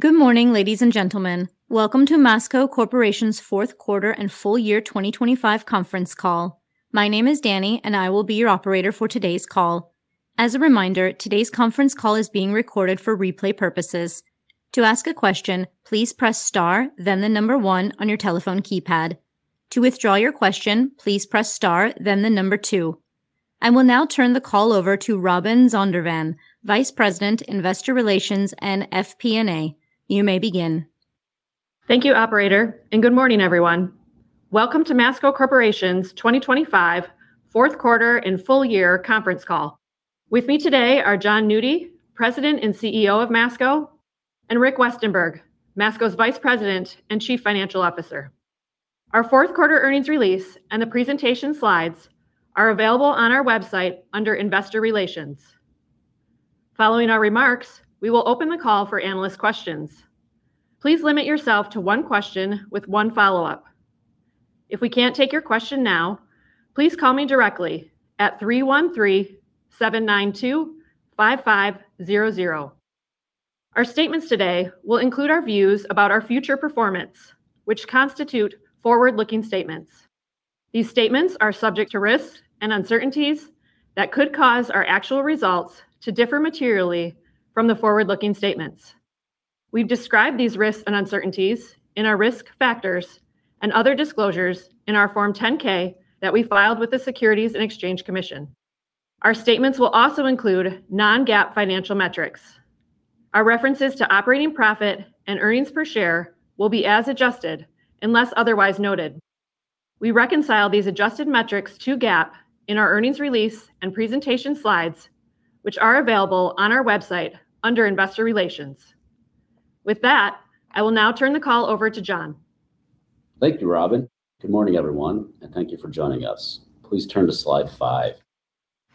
Good morning, ladies and gentlemen. Welcome to Masco Corporation's fourth quarter and full year 2025 conference call. My name is Danny, and I will be your operator for today's call. As a reminder, today's conference call is being recorded for replay purposes. To ask a question, please press star, then the number one on your telephone keypad. To withdraw your question, please press star, then the number two. I will now turn the call over to Robin Zondervan, Vice President, Investor Relations and FP&A. You may begin. Thank you, operator, and good morning, everyone. Welcome to Masco Corporation's 2025 fourth quarter and full year conference call. With me today are John Nuti, President and CEO of Masco, and Rick Westenberg, Masco's Vice President and Chief Financial Officer. Our fourth quarter earnings release and the presentation slides are available on our website under Investor Relations. Following our remarks, we will open the call for analyst questions. Please limit yourself to one question with one follow-up. If we can't take your question now, please call me directly at 313-792-5500. Our statements today will include our views about our future performance, which constitute forward-looking statements. These statements are subject to risks and uncertainties that could cause our actual results to differ materially from the forward-looking statements. We've described these risks and uncertainties in our risk factors and other disclosures in our Form 10-K that we filed with the Securities and Exchange Commission. Our statements will also include non-GAAP financial metrics. Our references to operating profit and earnings per share will be as adjusted unless otherwise noted. We reconcile these adjusted metrics to GAAP in our earnings release and presentation slides, which are available on our website under Investor Relations. With that, I will now turn the call over to John. Thank you, Robin. Good morning, everyone, and thank you for joining us. Please turn to slide 5.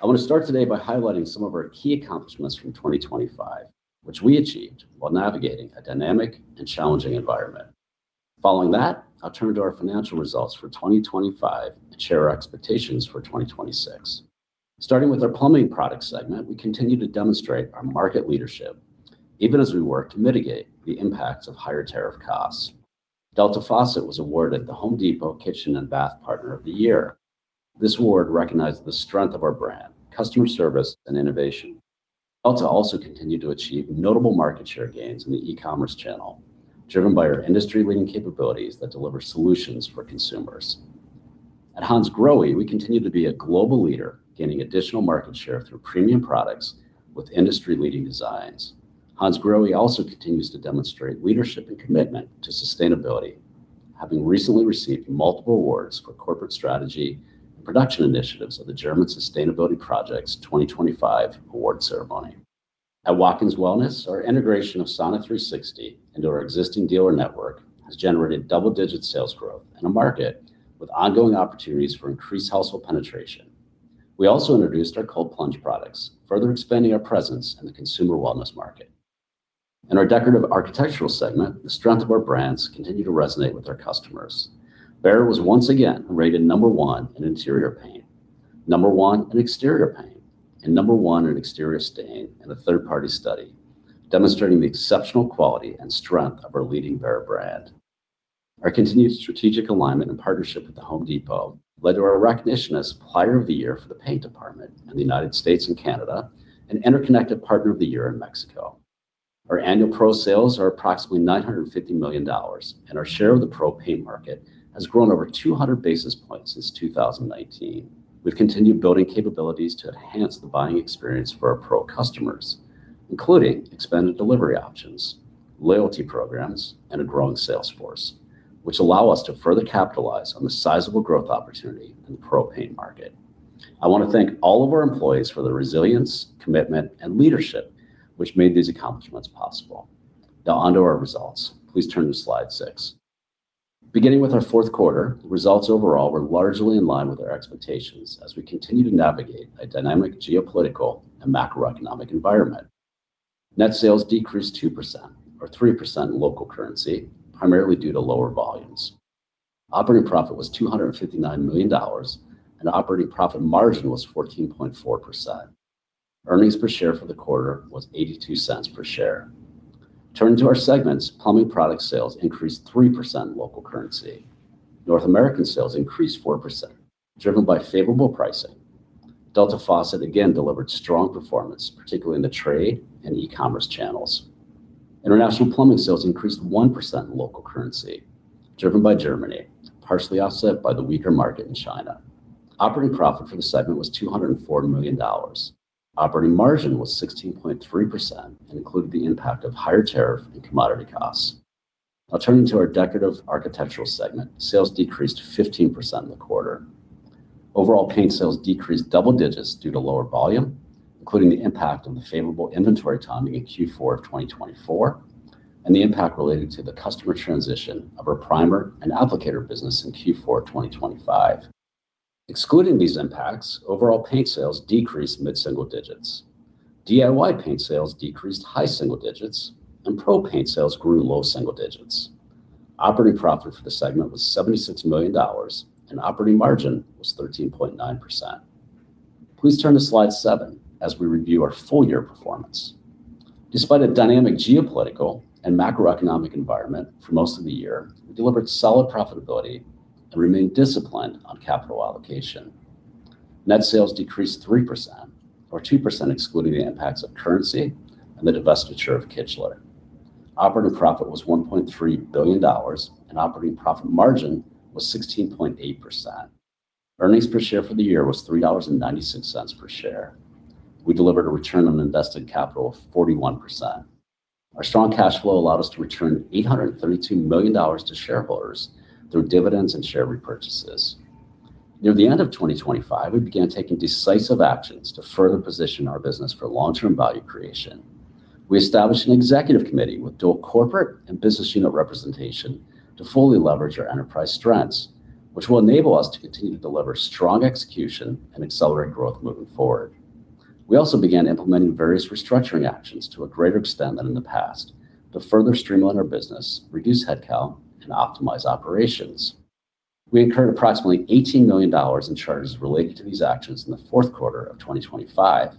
I want to start today by highlighting some of our key accomplishments from 2025, which we achieved while navigating a dynamic and challenging environment. Following that, I'll turn to our financial results for 2025 and share our expectations for 2026. Starting with our plumbing product segment, we continue to demonstrate our market leadership even as we work to mitigate the impacts of higher tariff costs. Delta Faucet was awarded The Home Depot Kitchen and Bath Partner of the Year. This award recognized the strength of our brand, customer service, and innovation. Delta also continued to achieve notable market share gains in the e-commerce channel, driven by our industry-leading capabilities that deliver solutions for consumers. At Hansgrohe, we continue to be a global leader, gaining additional market share through premium products with industry-leading designs. Hansgrohe also continues to demonstrate leadership and commitment to sustainability, having recently received multiple awards for corporate strategy and production initiatives at the German Sustainability Projects 2025 award ceremony. At Watkins Wellness, our integration of Sauna360 into our existing dealer network has generated double-digit sales growth in a market with ongoing opportunities for increased household penetration. We also introduced our cold plunge products, further expanding our presence in the consumer wellness market. In our decorative architectural segment, the strength of our brands continued to resonate with our customers. Behr was once again rated number one in interior paint, number one in exterior paint, and number one in exterior stain in a third-party study, demonstrating the exceptional quality and strength of our leading Behr brand. Our continued strategic alignment and partnership with The Home Depot led to our recognition as Supplier of the Year for the paint department in the United States and Canada, and Interconnected Partner of the Year in Mexico. Our annual Pro sales are approximately $950 million, and our share of the Pro paint market has grown over 200 basis points since 2019. We've continued building capabilities to enhance the buying experience for our Pro customers, including expanded delivery options, loyalty programs, and a growing sales force, which allow us to further capitalize on the sizable growth opportunity in the Pro paint market. I want to thank all of our employees for their resilience, commitment, and leadership, which made these accomplishments possible. Now, onto our results. Please turn to slide six. Beginning with our fourth quarter, results overall were largely in line with our expectations as we continue to navigate a dynamic geopolitical and macroeconomic environment. Net sales decreased 2%, or 3% in local currency, primarily due to lower volumes. Operating profit was $259 million, and operating profit margin was 14.4%. Earnings per share for the quarter was $0.82 per share. Turning to our segments, plumbing product sales increased 3% in local currency. North American sales increased 4%, driven by favorable pricing. Delta Faucet again delivered strong performance, particularly in the trade and e-commerce channels. International plumbing sales increased 1% in local currency, driven by Germany, partially offset by the weaker market in China. Operating profit for the segment was $240 million. Operating margin was 16.3% and included the impact of higher tariff and commodity costs. Now, turning to our decorative architectural segment, sales decreased 15% in the quarter. Overall, paint sales decreased double digits due to lower volume, including the impact on the favorable inventory timing in Q4 of 2024 and the impact related to the customer transition of our primer and applicator business in Q4 of 2025. Excluding these impacts, overall paint sales decreased mid-single digits. DIY paint sales decreased high single digits, and Pro paint sales grew low single digits. Operating profit for the segment was $76 million, and operating margin was 13.9%.... Please turn to slide 7 as we review our full year performance. Despite a dynamic geopolitical and macroeconomic environment for most of the year, we delivered solid profitability and remained disciplined on capital allocation. Net sales decreased 3%, or 2% excluding the impacts of currency and the divestiture of Kichler. Operating profit was $1.3 billion, and operating profit margin was 16.8%. Earnings per share for the year was $3.96 per share. We delivered a return on invested capital of 41%. Our strong cash flow allowed us to return $832 million to shareholders through dividends and share repurchases. Near the end of 2025, we began taking decisive actions to further position our business for long-term value creation. We established an executive committee with dual corporate and business unit representation to fully leverage our enterprise strengths, which will enable us to continue to deliver strong execution and accelerate growth moving forward. We also began implementing various restructuring actions to a greater extent than in the past, to further streamline our business, reduce headcount, and optimize operations. We incurred approximately $18 million in charges related to these actions in the fourth quarter of 2025,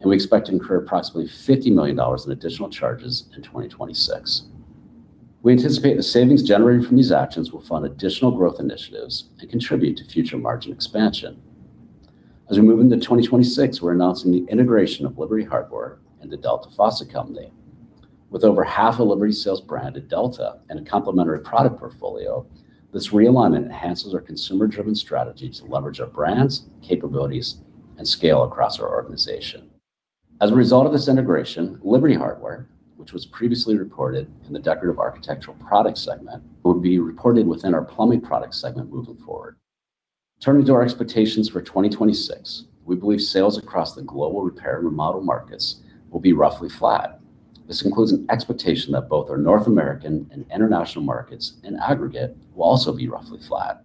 and we expect to incur approximately $50 million in additional charges in 2026. We anticipate the savings generated from these actions will fund additional growth initiatives and contribute to future margin expansion. As we move into 2026, we're announcing the integration of Liberty Hardware and the Delta Faucet Company. With over half of Liberty sales branded Delta and a complementary product portfolio, this realignment enhances our consumer-driven strategy to leverage our brands, capabilities, and scale across our organization. As a result of this integration, Liberty Hardware, which was previously reported in the decorative architectural products segment, will be reported within our plumbing products segment moving forward. Turning to our expectations for 2026, we believe sales across the global repair and remodel markets will be roughly flat. This includes an expectation that both our North American and international markets, in aggregate, will also be roughly flat.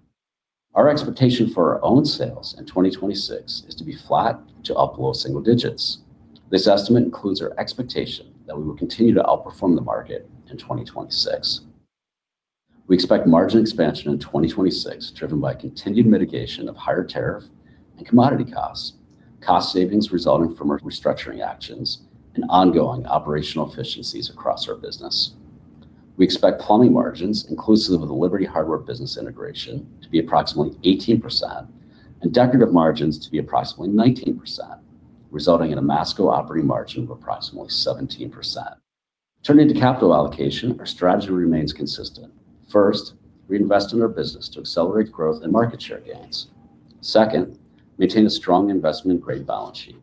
Our expectation for our own sales in 2026 is to be flat to up low single digits. This estimate includes our expectation that we will continue to outperform the market in 2026. We expect margin expansion in 2026, driven by continued mitigation of higher tariff and commodity costs, cost savings resulting from our restructuring actions, and ongoing operational efficiencies across our business. We expect plumbing margins, inclusive of the Liberty Hardware business integration, to be approximately 18% and decorative margins to be approximately 19%, resulting in a Masco operating margin of approximately 17%. Turning to capital allocation, our strategy remains consistent. First, reinvest in our business to accelerate growth and market share gains. Second, maintain a strong investment-grade balance sheet.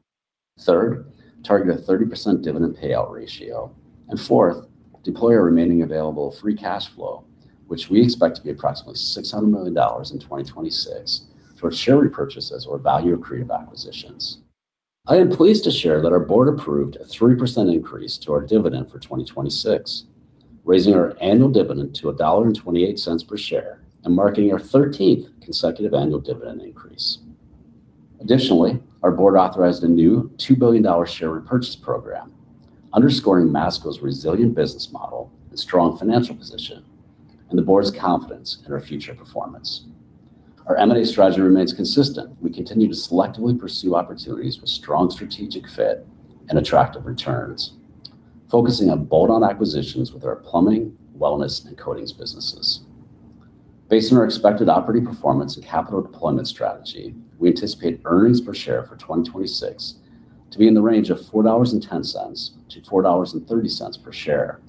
Third, target a 30% dividend payout ratio. And fourth, deploy our remaining available free cash flow, which we expect to be approximately $600 million in 2026, towards share repurchases or value-accretive acquisitions. I am pleased to share that our Board approved a 3% increase to our dividend for 2026, raising our annual dividend to $1.28 per share and marking our 13th consecutive annual dividend increase. Additionally, our Board authorized a new $2 billion share repurchase program, underscoring Masco's resilient business model and strong financial position, and the Board's confidence in our future performance. Our M&A strategy remains consistent. We continue to selectively pursue opportunities with strong strategic fit and attractive returns, focusing on bolt-on acquisitions with our plumbing, wellness, and coatings businesses. Based on our expected operating performance and capital deployment strategy, we anticipate earnings per share for 2026 to be in the range of $4.10-$4.30 per share.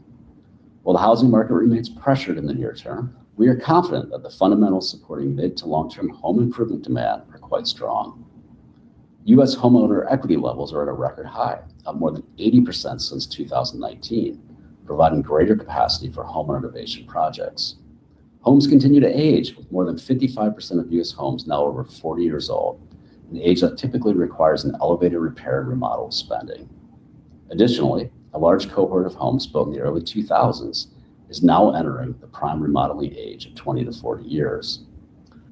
While the housing market remains pressured in the near term, we are confident that the fundamentals supporting mid- to long-term home improvement demand are quite strong. U.S. homeowner equity levels are at a record high, up more than 80% since 2019, providing greater capacity for home renovation projects. Homes continue to age, with more than 55% of U.S. homes now over 40 years old, an age that typically requires an elevated repair and remodel spending. Additionally, a large cohort of homes built in the early 2000s is now entering the prime remodeling age of 20-40 years.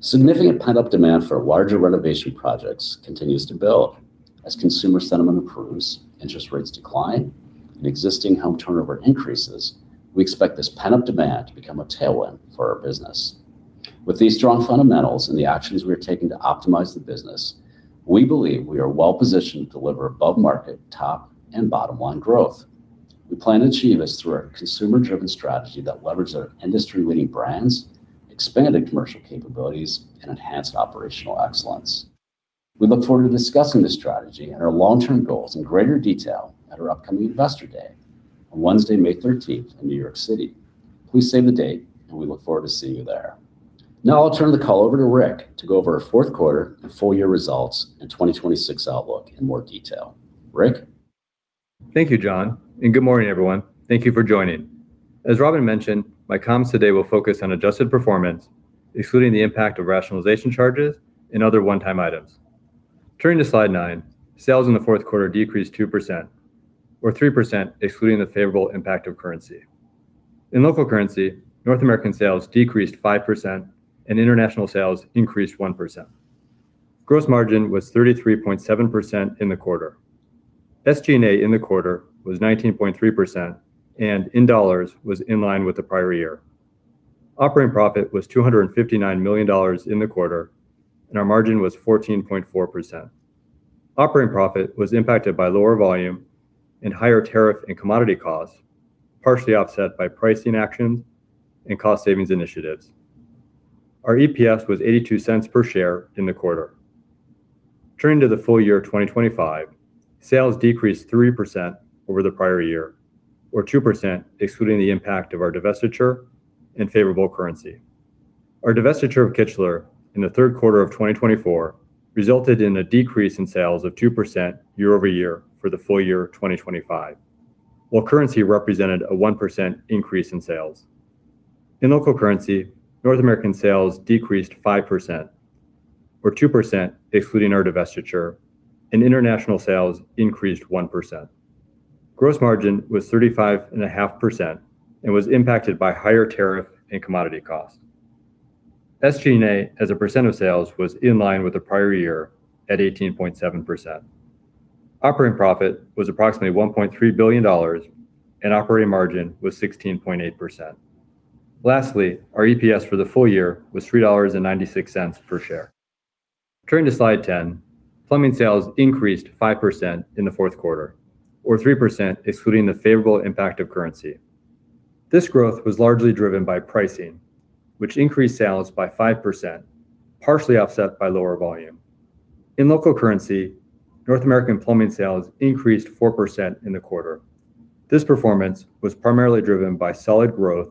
Significant pent-up demand for larger renovation projects continues to build. As consumer sentiment improves, interest rates decline, and existing home turnover increases, we expect this pent-up demand to become a tailwind for our business. With these strong fundamentals and the actions we are taking to optimize the business, we believe we are well positioned to deliver above-market top and bottom-line growth. We plan to achieve this through our consumer-driven strategy that leverages our industry-leading brands, expanded commercial capabilities, and enhanced operational excellence. We look forward to discussing this strategy and our long-term goals in greater detail at our upcoming Investor Day on Wednesday, May thirteenth, in New York City. Please save the date, and we look forward to seeing you there. Now I'll turn the call over to Rick to go over our fourth quarter and full-year results and 2026 outlook in more detail. Rick? Thank you, John, and good morning, everyone. Thank you for joining. As Robin mentioned, my comments today will focus on adjusted performance, excluding the impact of rationalization charges and other one-time items. Turning to Slide 9, sales in the fourth quarter decreased 2%, or 3%, excluding the favorable impact of currency. In local currency, North American sales decreased 5% and international sales increased 1%. Gross margin was 33.7% in the quarter. SG&A in the quarter was 19.3%, and in dollars was in line with the prior year. Operating profit was $259 million in the quarter, and our margin was 14.4%. Operating profit was impacted by lower volume and higher tariff and commodity costs, partially offset by pricing actions and cost savings initiatives. Our EPS was $0.82 per share in the quarter. Turning to the full year of 2025, sales decreased 3% over the prior year, or 2% excluding the impact of our divestiture and favorable currency. Our divestiture of Kichler in the third quarter of 2024 resulted in a decrease in sales of 2% year-over-year for the full year of 2025, while currency represented a 1% increase in sales. In local currency, North American sales decreased 5%, or 2% excluding our divestiture, and international sales increased 1%. Gross margin was 35.5% and was impacted by higher tariff and commodity costs. SG&A, as a percent of sales, was in line with the prior year at 18.7%. Operating profit was approximately $1.3 billion, and operating margin was 16.8%. Lastly, our EPS for the full year was $3.96 per share. Turning to Slide 10, plumbing sales increased 5% in the fourth quarter, or 3% excluding the favorable impact of currency. This growth was largely driven by pricing, which increased sales by 5%, partially offset by lower volume. In local currency, North American plumbing sales increased 4% in the quarter. This performance was primarily driven by solid growth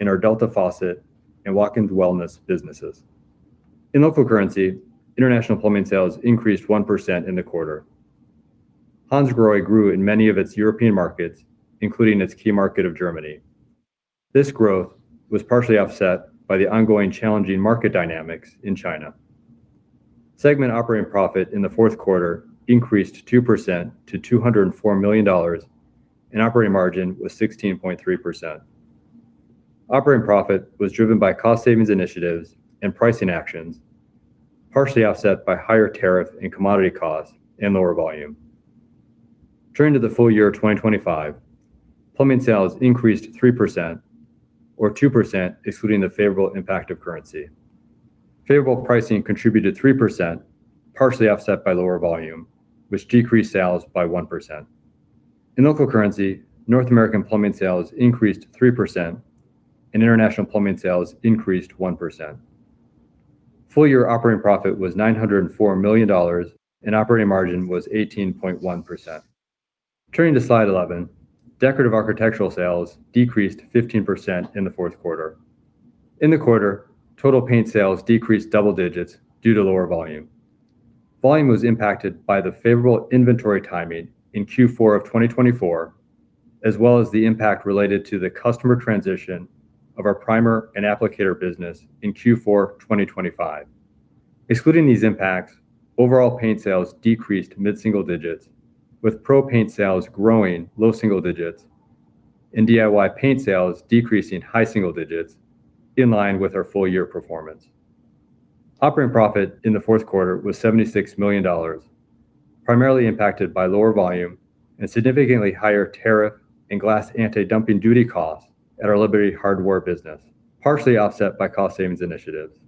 in our Delta Faucet and Watkins Wellness businesses. In local currency, international plumbing sales increased 1% in the quarter. Hansgrohe grew in many of its European markets, including its key market of Germany. This growth was partially offset by the ongoing challenging market dynamics in China. Segment operating profit in the fourth quarter increased 2% to $204 million, and operating margin was 16.3%. Operating profit was driven by cost savings initiatives and pricing actions, partially offset by higher tariff and commodity costs and lower volume. Turning to the full year of 2025, plumbing sales increased 3% or 2%, excluding the favorable impact of currency. Favorable pricing contributed 3%, partially offset by lower volume, which decreased sales by 1%. In local currency, North American plumbing sales increased 3%, and international plumbing sales increased 1%. Full year operating profit was $904 million, and operating margin was 18.1%. Turning to Slide 11, decorative architectural sales decreased 15% in the fourth quarter. In the quarter, total paint sales decreased double digits due to lower volume. Volume was impacted by the favorable inventory timing in Q4 of 2024, as well as the impact related to the customer transition of our primer and applicator business in Q4 2025. Excluding these impacts, overall paint sales decreased mid-single digits, with Pro paint sales growing low single digits and DIY paint sales decreasing high single digits in line with our full year performance. Operating profit in the fourth quarter was $76 million, primarily impacted by lower volume and significantly higher tariff and glass anti-dumping duty costs at our Liberty Hardware business, partially offset by cost savings initiatives.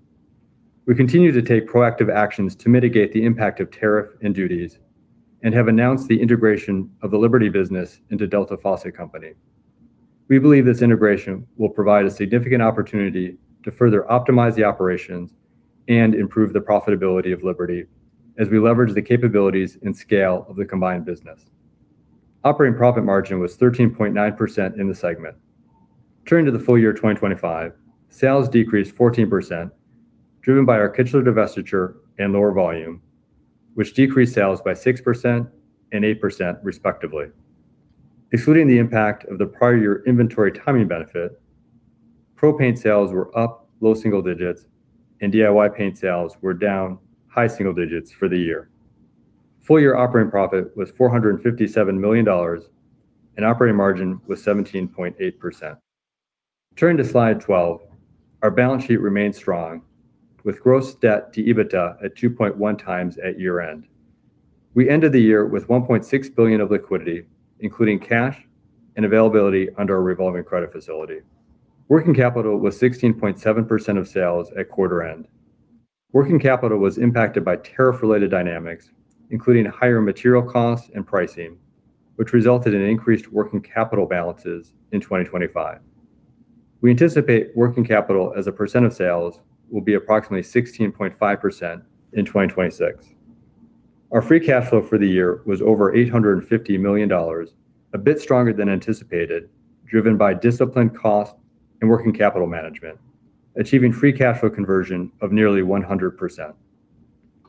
We continue to take proactive actions to mitigate the impact of tariff and duties and have announced the integration of the Liberty business into Delta Faucet Company. We believe this integration will provide a significant opportunity to further optimize the operations and improve the profitability of Liberty as we leverage the capabilities and scale of the combined business. Operating profit margin was 13.9% in the segment. Turning to the full year of 2025, sales decreased 14%, driven by our Kichler divestiture and lower volume, which decreased sales by 6% and 8%, respectively. Excluding the impact of the prior year inventory timing benefit, Pro paint sales were up low single digits, and DIY paint sales were down high single digits for the year. Full year operating profit was $457 million, and operating margin was 17.8%. Turning to Slide 12, our balance sheet remains strong, with gross debt to EBITDA at 2.1 times at year-end. We ended the year with $1.6 billion of liquidity, including cash and availability under our revolving credit facility. Working capital was 16.7% of sales at quarter end. Working capital was impacted by tariff-related dynamics, including higher material costs and pricing, which resulted in increased working capital balances in 2025. We anticipate working capital as a percent of sales will be approximately 16.5% in 2026. Our free cash flow for the year was over $850 million, a bit stronger than anticipated, driven by disciplined cost and working capital management, achieving free cash flow conversion of nearly 100%.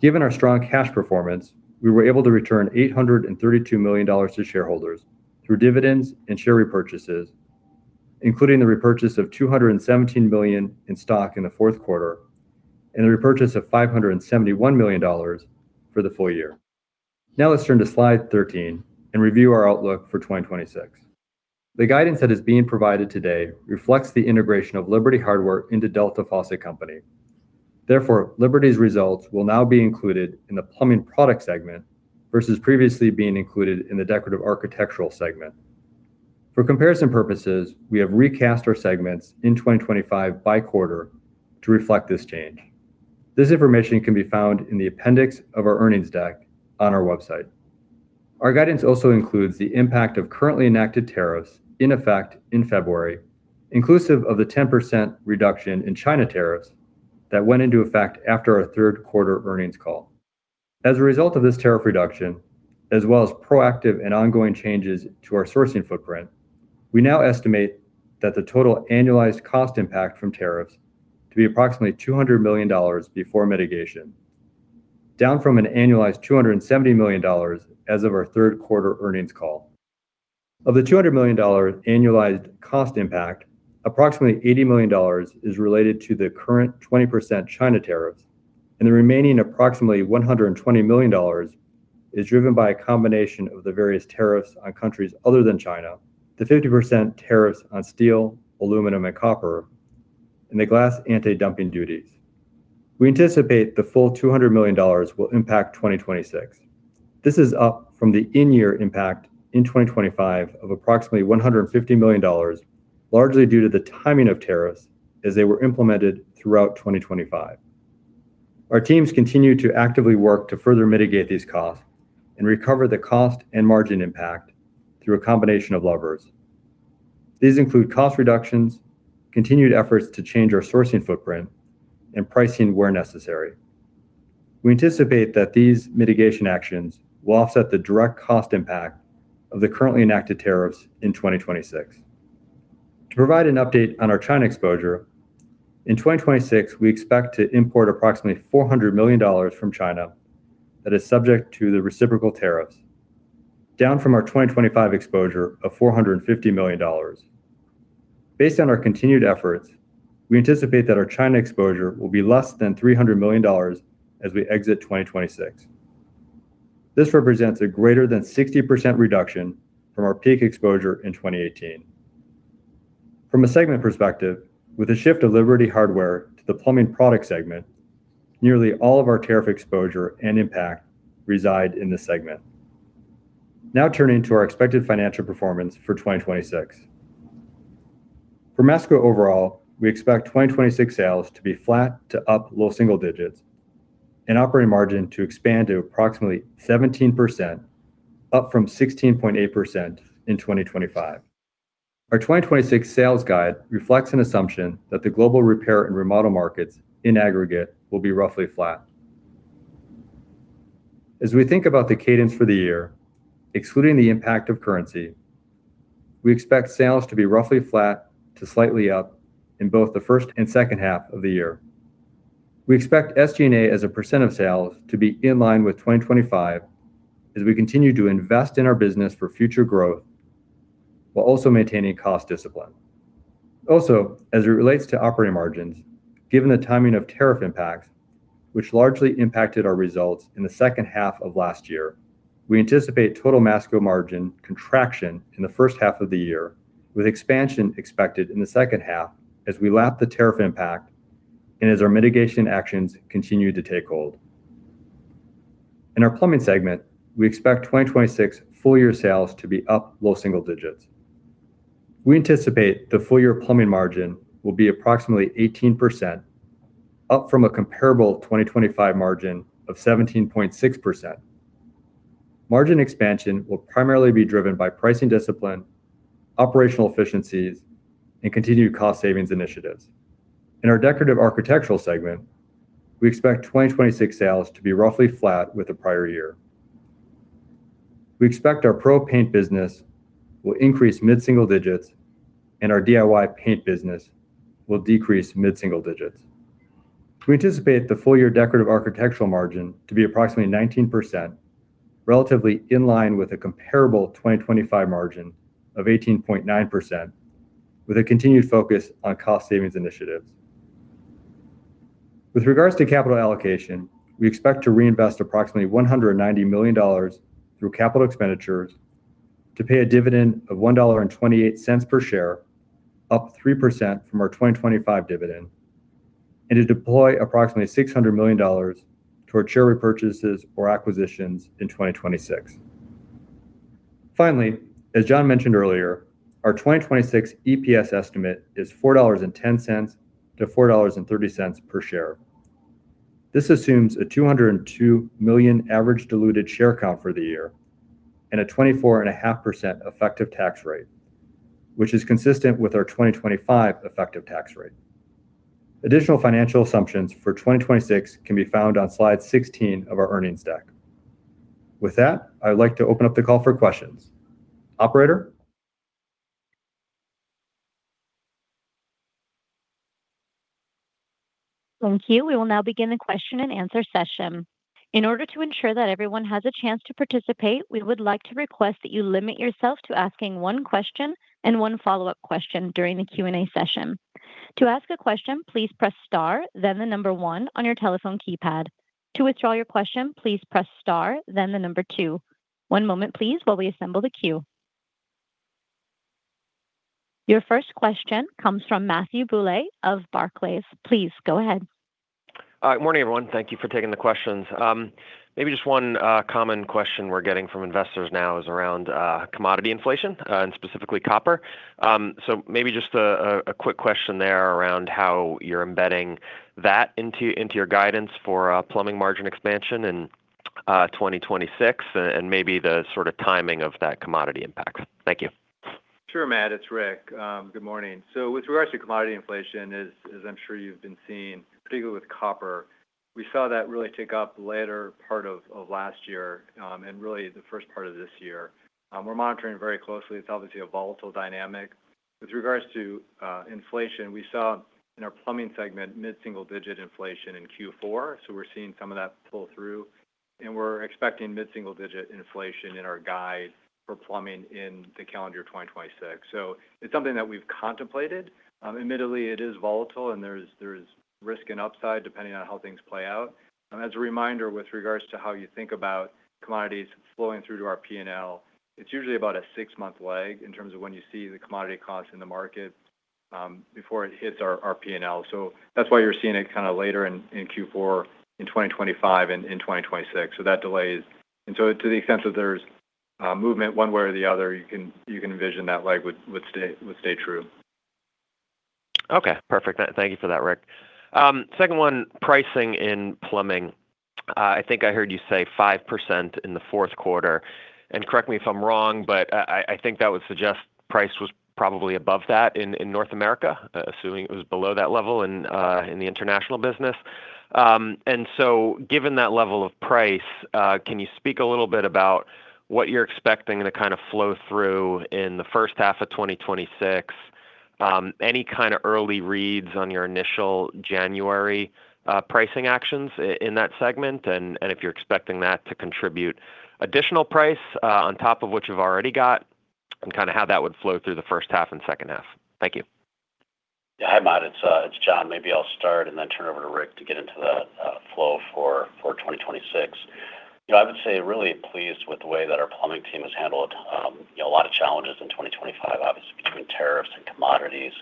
Given our strong cash performance, we were able to return $832 million to shareholders through dividends and share repurchases, including the repurchase of $217 million in stock in the fourth quarter and the repurchase of $571 million for the full year. Now, let's turn to Slide 13 and review our outlook for 2026. The guidance that is being provided today reflects the integration of Liberty Hardware into Delta Faucet Company.... Therefore, Liberty's results will now be included in the plumbing product segment versus previously being included in the decorative architectural segment. For comparison purposes, we have recast our segments in 2025 by quarter to reflect this change. This information can be found in the appendix of our earnings deck on our website. Our guidance also includes the impact of currently enacted tariffs in effect in February, inclusive of the 10% reduction in China tariffs that went into effect after our third quarter earnings call. As a result of this tariff reduction, as well as proactive and ongoing changes to our sourcing footprint, we now estimate that the total annualized cost impact from tariffs to be approximately $200 million before mitigation, down from an annualized $270 million as of our third quarter earnings call. Of the $200 million annualized cost impact, approximately $80 million is related to the current 20% China tariffs, and the remaining approximately $120 million is driven by a combination of the various tariffs on countries other than China, the 50% tariffs on steel, aluminum, and copper, and the glass anti-dumping duties. We anticipate the full $200 million will impact 2026. This is up from the in-year impact in 2025 of approximately $150 million, largely due to the timing of tariffs as they were implemented throughout 2025. Our teams continue to actively work to further mitigate these costs and recover the cost and margin impact through a combination of levers. These include cost reductions, continued efforts to change our sourcing footprint, and pricing where necessary. We anticipate that these mitigation actions will offset the direct cost impact of the currently enacted tariffs in 2026. To provide an update on our China exposure, in 2026, we expect to import approximately $400 million from China that is subject to the reciprocal tariffs, down from our 2025 exposure of $450 million. Based on our continued efforts, we anticipate that our China exposure will be less than $300 million as we exit 2026. This represents a greater than 60% reduction from our peak exposure in 2018. From a segment perspective, with a shift of Liberty Hardware to the plumbing product segment, nearly all of our tariff exposure and impact reside in this segment. Now, turning to our expected financial performance for 2026. For Masco overall, we expect 2026 sales to be flat to up low single digits and operating margin to expand to approximately 17%, up from 16.8% in 2025. Our 2026 sales guide reflects an assumption that the global repair and remodel markets in aggregate will be roughly flat. As we think about the cadence for the year, excluding the impact of currency, we expect sales to be roughly flat to slightly up in both the first and second half of the year. We expect SG&A as a % of sales to be in line with 2025 as we continue to invest in our business for future growth, while also maintaining cost discipline. Also, as it relates to operating margins, given the timing of tariff impacts, which largely impacted our results in the second half of last year, we anticipate total Masco margin contraction in the first half of the year, with expansion expected in the second half as we lap the tariff impact and as our mitigation actions continue to take hold. In our plumbing segment, we expect 2026 full year sales to be up low single digits. We anticipate the full year plumbing margin will be approximately 18%, up from a comparable 2025 margin of 17.6%. Margin expansion will primarily be driven by pricing discipline, operational efficiencies, and continued cost savings initiatives. In our decorative architectural segment, we expect 2026 sales to be roughly flat with the prior year. We expect our Pro paint business will increase mid-single digits, and our DIY paint business will decrease mid-single digits. We anticipate the full year decorative architectural margin to be approximately 19%, relatively in line with a comparable 2025 margin of 18.9%, with a continued focus on cost savings initiatives. With regards to capital allocation, we expect to reinvest approximately $190 million through capital expenditures to pay a dividend of $1.28 per share, up 3% from our 2025 dividend, and to deploy approximately $600 million toward share repurchases or acquisitions in 2026. Finally, as John mentioned earlier, our 2026 EPS estimate is $4.10-$4.30 per share. This assumes a 202 million average diluted share count for the year and a 24.5% effective tax rate, which is consistent with our 2025 effective tax rate. Additional financial assumptions for 2026 can be found on slide 16 of our earnings deck. With that, I'd like to open up the call for questions. Operator? Thank you. We will now begin the question and answer session. In order to ensure that everyone has a chance to participate, we would like to request that you limit yourself to asking one question and one follow-up question during the Q&A session. To ask a question, please press star, then the number 1 on your telephone keypad. To withdraw your question, please press star, then the number 2. One moment, please, while we assemble the queue... Your first question comes from Matthew Bouley of Barclays. Please go ahead. Good morning, everyone. Thank you for taking the questions. Maybe just one common question we're getting from investors now is around commodity inflation and specifically copper. So maybe just a quick question there around how you're embedding that into your guidance for plumbing margin expansion in 2026, and maybe the sort of timing of that commodity impact. Thank you. Sure, Matt, it's Rick. Good morning. So with regards to commodity inflation, as I'm sure you've been seeing, particularly with copper, we saw that really tick up later part of last year, and really the first part of this year. We're monitoring it very closely. It's obviously a volatile dynamic. With regards to inflation, we saw in our plumbing segment, mid-single-digit inflation in Q4, so we're seeing some of that pull through, and we're expecting mid-single-digit inflation in our guide for plumbing in the calendar 2026. So it's something that we've contemplated. Admittedly, it is volatile, and there's risk and upside, depending on how things play out. As a reminder, with regards to how you think about commodities flowing through to our P&L, it's usually about a six-month lag in terms of when you see the commodity costs in the market, before it hits our P&L. So that's why you're seeing it kind of later in Q4 in 2025 and in 2026. So that delay is. And so to the extent that there's movement one way or the other, you can envision that lag would stay true. Okay. Perfect. Thank you for that, Rick. Second one, pricing in plumbing. I think I heard you say 5% in the fourth quarter, and correct me if I'm wrong, but I think that would suggest price was probably above that in North America, assuming it was below that level in the international business. And so given that level of price, can you speak a little bit about what you're expecting to kind of flow through in the first half of 2026? Any kind of early reads on your initial January pricing actions in that segment? And if you're expecting that to contribute additional price on top of what you've already got, and kind of how that would flow through the first half and second half. Thank you. Yeah. Hi, Matt. It's, it's John. Maybe I'll start and then turn it over to Rick to get into the flow for 2026. You know, I would say, really pleased with the way that our plumbing team has handled, you know, a lot of challenges in 2025. Obviously, between tariffs and commodities,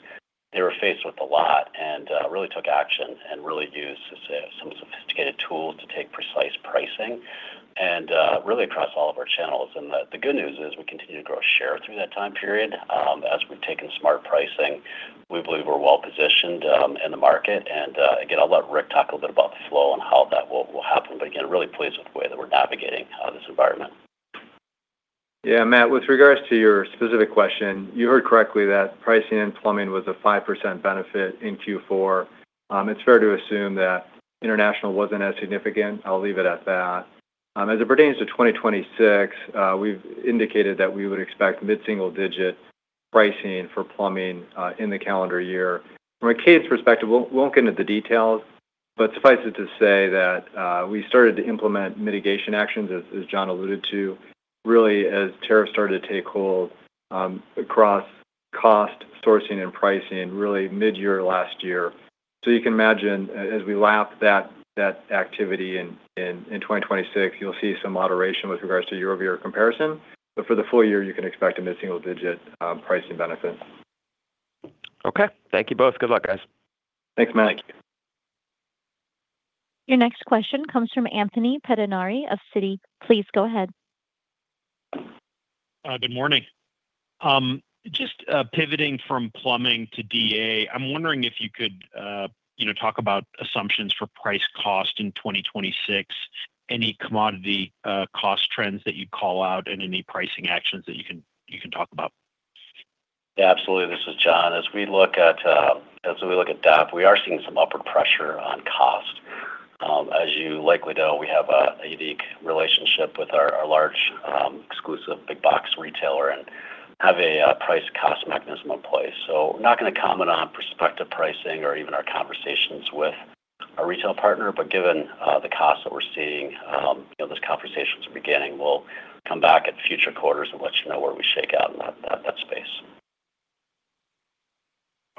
they were faced with a lot and really took action and really used to save some sophisticated tools to take precise pricing and really across all of our channels. And the good news is, we continued to grow share through that time period. As we've taken smart pricing, we believe we're well positioned in the market. And again, I'll let Rick talk a little bit about the flow and how that will happen. But again, really pleased with the way that we're navigating this environment. Yeah, Matt, with regards to your specific question, you heard correctly that pricing and plumbing was a 5% benefit in Q4. It's fair to assume that international wasn't as significant. I'll leave it at that. As it pertains to 2026, we've indicated that we would expect mid-single-digit pricing for plumbing in the calendar year. From a case perspective, we won't get into the details, but suffice it to say that we started to implement mitigation actions, as John alluded to, really, as tariffs started to take hold across cost, sourcing, and pricing, really mid-year last year. So you can imagine, as we lap that activity in 2026, you'll see some moderation with regards to year-over-year comparison. But for the full year, you can expect a mid-single-digit pricing benefit. Okay. Thank you both. Good luck, guys. Thanks, Matt. Thank you. Your next question comes from Anthony Pettinari of Citi. Please go ahead. Good morning. Just pivoting from plumbing to DA, I'm wondering if you could, you know, talk about assumptions for price cost in 2026, any commodity cost trends that you'd call out, and any pricing actions that you can talk about? Yeah, absolutely. This is John. As we look at, as we look at DAP, we are seeing some upward pressure on cost. As you likely know, we have a unique relationship with our large exclusive big box retailer and have a price cost mechanism in place. So not gonna comment on prospective pricing or even our conversations with our retail partner, but given the costs that we're seeing, you know, those conversations are beginning. We'll come back in future quarters and let you know where we shake out in that space.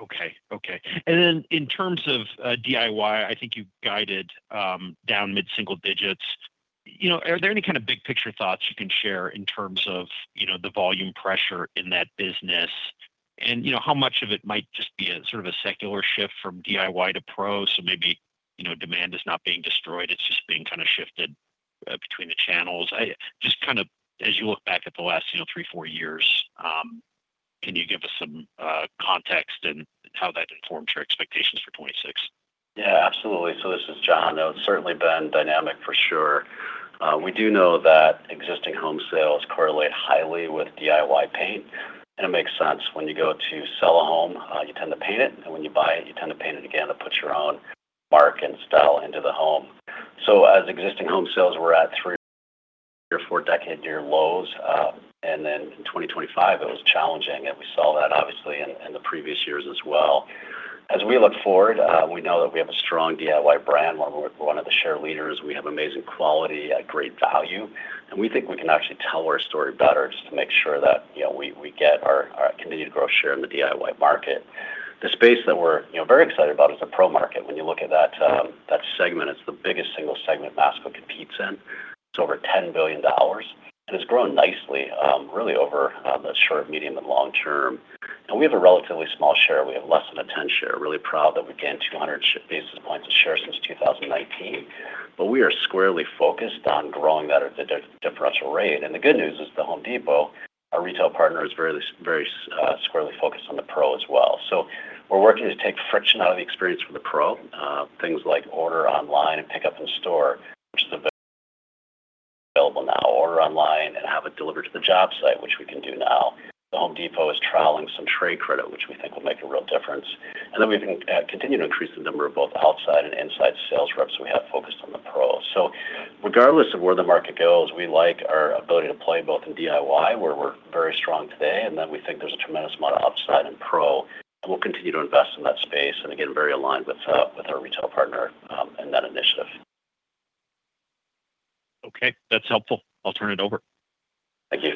Okay. Okay. And then in terms of DIY, I think you've guided down mid-single digits. You know, are there any kind of big picture thoughts you can share in terms of the volume pressure in that business? And you know, how much of it might just be a sort of a secular shift from DIY to Pro, so maybe you know, demand is not being destroyed, it's just being kind of shifted between the channels? Just kind of as you look back at the last three, four years, can you give us some context and how that informs your expectations for 2026? Yeah, absolutely. So this is John. It's certainly been dynamic for sure. We do know that existing home sales correlate highly with DIY paint, and it makes sense. When you go to sell a home, you tend to paint it, and when you buy it, you tend to paint it again to put your own mark and style into the home. So as existing home sales were at 3- or 4-decade near lows, and then in 2025, it was challenging, and we saw that obviously in, in the previous years as well. As we look forward, we know that we have a strong DIY brand, one of the-- one of the share leaders. We have amazing quality at great value, and we think we can actually tell our story better just to make sure that, you know, we get our continued growth share in the DIY market. The space that we're, you know, very excited about is the Pro market. When you look at that, that segment, it's the biggest single segment Masco competes in. It's over $10 billion, and it's grown nicely, really over the short, medium, and long term. And we have a relatively small share. We have less than a 10% share. Really proud that we gained 200 basis points of share since 2019. But we are squarely focused on growing that at a differential rate. And the good news is The Home Depot, our retail partner, is very, very squarely focused on the Pro as well. So we're working to take friction out of the experience for the Pro. Things like order online and pickup in store, which is available now. Order online and have it delivered to the job site, which we can do now. The Home Depot is trialing some trade credit, which we think will make a real difference. And then we can continue to increase the number of both outside and inside sales reps we have focused on the Pro. So regardless of where the market goes, we like our ability to play both in DIY, where we're very strong today, and then we think there's a tremendous amount of upside in Pro, and we'll continue to invest in that space, and again, very aligned with, with our retail partner, in that initiative. Okay, that's helpful. I'll turn it over. Thank you.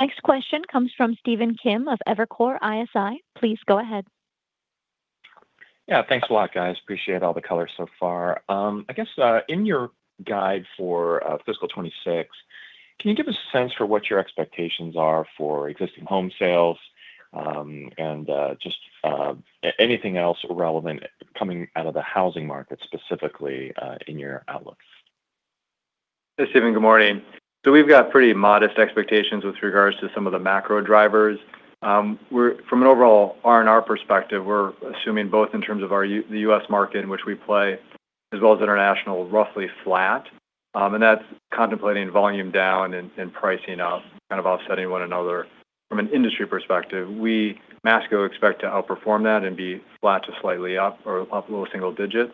Next question comes from Stephen Kim of Evercore ISI. Please go ahead. Yeah, thanks a lot, guys. Appreciate all the color so far. I guess, in your guide for fiscal 26, can you give a sense for what your expectations are for existing home sales, and just anything else relevant coming out of the housing market, specifically, in your outlook? Hey, Steven, good morning. So we've got pretty modest expectations with regards to some of the macro drivers. From an overall R&R perspective, we're assuming both in terms of the U.S. market in which we play, as well as international, roughly flat. And that's contemplating volume down and pricing up, kind of offsetting one another. From an industry perspective, we, Masco, expect to outperform that and be flat to slightly up or up low single digits.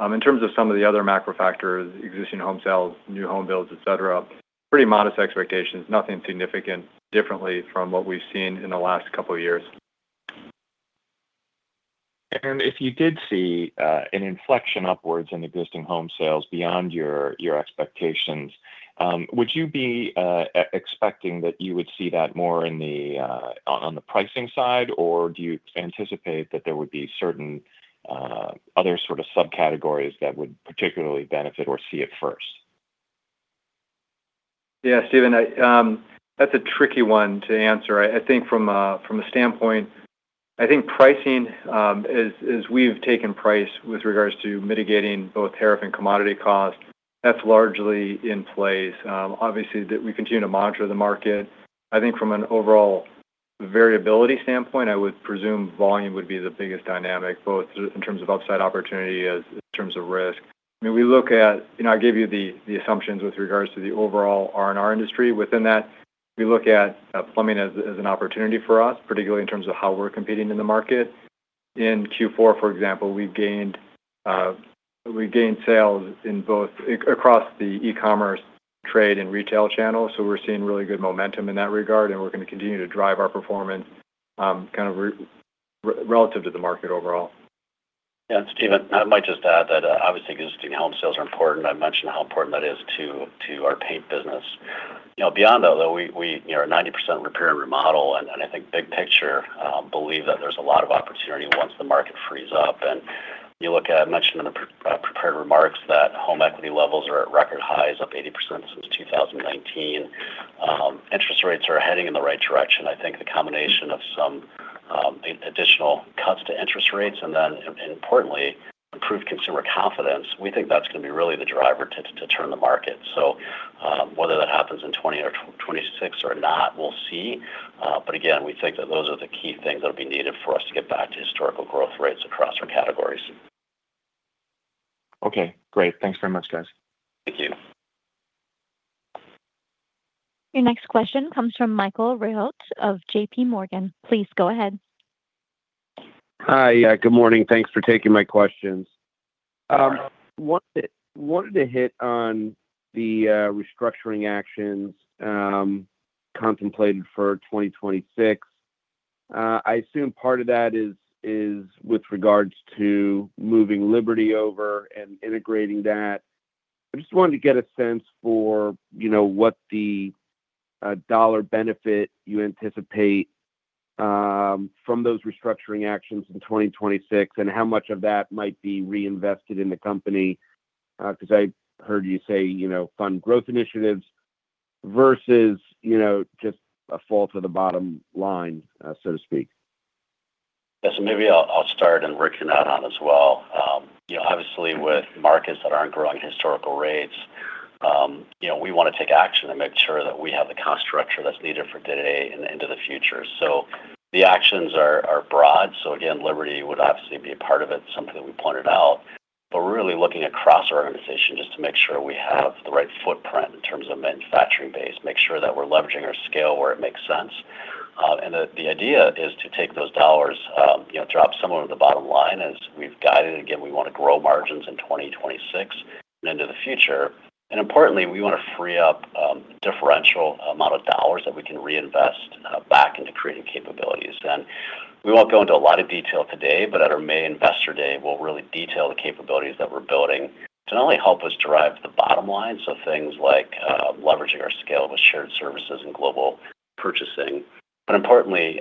In terms of some of the other macro factors, existing home sales, new home builds, et cetera, pretty modest expectations, nothing significant differently from what we've seen in the last couple of years. If you did see an inflection upwards in existing home sales beyond your expectations, would you be expecting that you would see that more on the pricing side? Or do you anticipate that there would be certain other sort of subcategories that would particularly benefit or see it first? Yeah, Stephen, that's a tricky one to answer. I think from a standpoint, I think pricing, as we've taken price with regards to mitigating both tariff and commodity costs, that's largely in place. Obviously, we continue to monitor the market. I think from an overall variability standpoint, I would presume volume would be the biggest dynamic, both in terms of upside opportunity as in terms of risk. I mean, we look at, you know, I gave you the assumptions with regards to the overall R&R industry. Within that, we look at plumbing as an opportunity for us, particularly in terms of how we're competing in the market. In Q4, for example, we gained sales across the e-commerce, trade, and retail channels, so we're seeing really good momentum in that regard, and we're going to continue to drive our performance, kind of relative to the market overall. Yeah, Steven, I might just add that, obviously, existing home sales are important. I've mentioned how important that is to, to our paint business. You know, beyond though, that we, we, you know, are 90% repair and remodel, and, and I think big picture, believe that there's a lot of opportunity once the market frees up. And you look at, I mentioned in the prepared remarks that home equity levels are at record highs, up 80% since 2019. Interest rates are heading in the right direction. I think the combination of some, additional cuts to interest rates and then, and, and importantly, improved consumer confidence, we think that's gonna be really the driver to, to turn the market. So, whether that happens in 2020 or 2026 or not, we'll see. But again, we think that those are the key things that'll be needed for us to get back to historical growth rates across our categories. Okay, great. Thanks very much, guys. Thank you. Your next question comes from Michael Rehaut of J.P. Morgan. Please go ahead. Hi. Yeah, good morning. Thanks for taking my questions. Wanted to hit on the restructuring actions contemplated for 2026. I assume part of that is with regards to moving Liberty over and integrating that. I just wanted to get a sense for, you know, what the dollar benefit you anticipate from those restructuring actions in 2026, and how much of that might be reinvested in the company? 'Cause I heard you say, you know, fund growth initiatives versus, you know, just a fall to the bottom line, so to speak. Yes, so maybe I'll start and Rick can add on as well. You know, obviously, with markets that aren't growing historical rates, you know, we want to take action and make sure that we have the cost structure that's needed for today and into the future. So the actions are broad. So again, Liberty would obviously be a part of it, something that we pointed out. But we're really looking across our organization just to make sure we have the right footprint in terms of manufacturing base, make sure that we're leveraging our scale where it makes sense. And the idea is to take those dollars, you know, drop some of them to the bottom line as we've guided. Again, we want to grow margins in 2026 and into the future. Importantly, we want to free up differential amount of dollars that we can reinvest back into creating capabilities. We won't go into a lot of detail today, but at our main Investor Day, we'll really detail the capabilities that we're building to not only help us drive to the bottom line, so things like leveraging our scale with shared services and global purchasing, but importantly,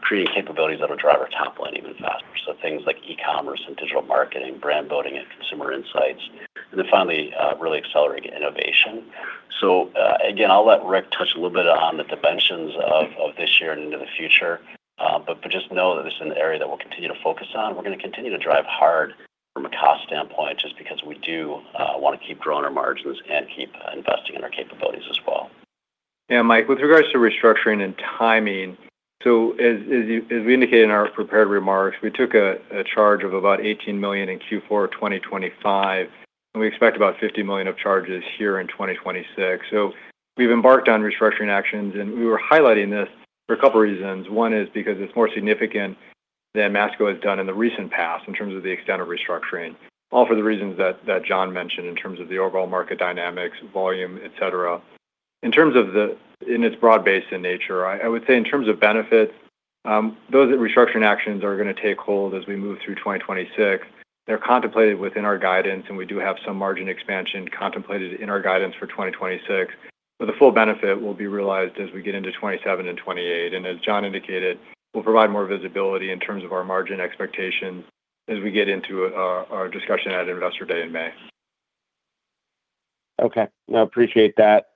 creating capabilities that will drive our top line even faster. So things like e-commerce and digital marketing, brand building, and consumer insights, and then finally really accelerating innovation. So again, I'll let Rick touch a little bit on the dimensions of this year and into the future. But just know that this is an area that we'll continue to focus on. We're gonna continue to drive hard from a cost standpoint, just because we do want to keep growing our margins and keep investing in our capabilities as well. Yeah, Mike, with regards to restructuring and timing, so as you—as we indicated in our prepared remarks, we took a charge of about $18 million in Q4 of 2025, and we expect about $50 million of charges here in 2026. So we've embarked on restructuring actions, and we were highlighting this for a couple of reasons. One is because it's more significant than Masco has done in the recent past in terms of the extent of restructuring, all for the reasons that John mentioned in terms of the overall market dynamics, volume, et cetera. In terms of the... and it's broad-based in nature. I would say in terms of benefits, those restructuring actions are gonna take hold as we move through 2026. They're contemplated within our guidance, and we do have some margin expansion contemplated in our guidance for 2026. The full benefit will be realized as we get into 2027 and 2028. As John indicated, we'll provide more visibility in terms of our margin expectations as we get into our discussion at Investor Day in May. Okay. I appreciate that.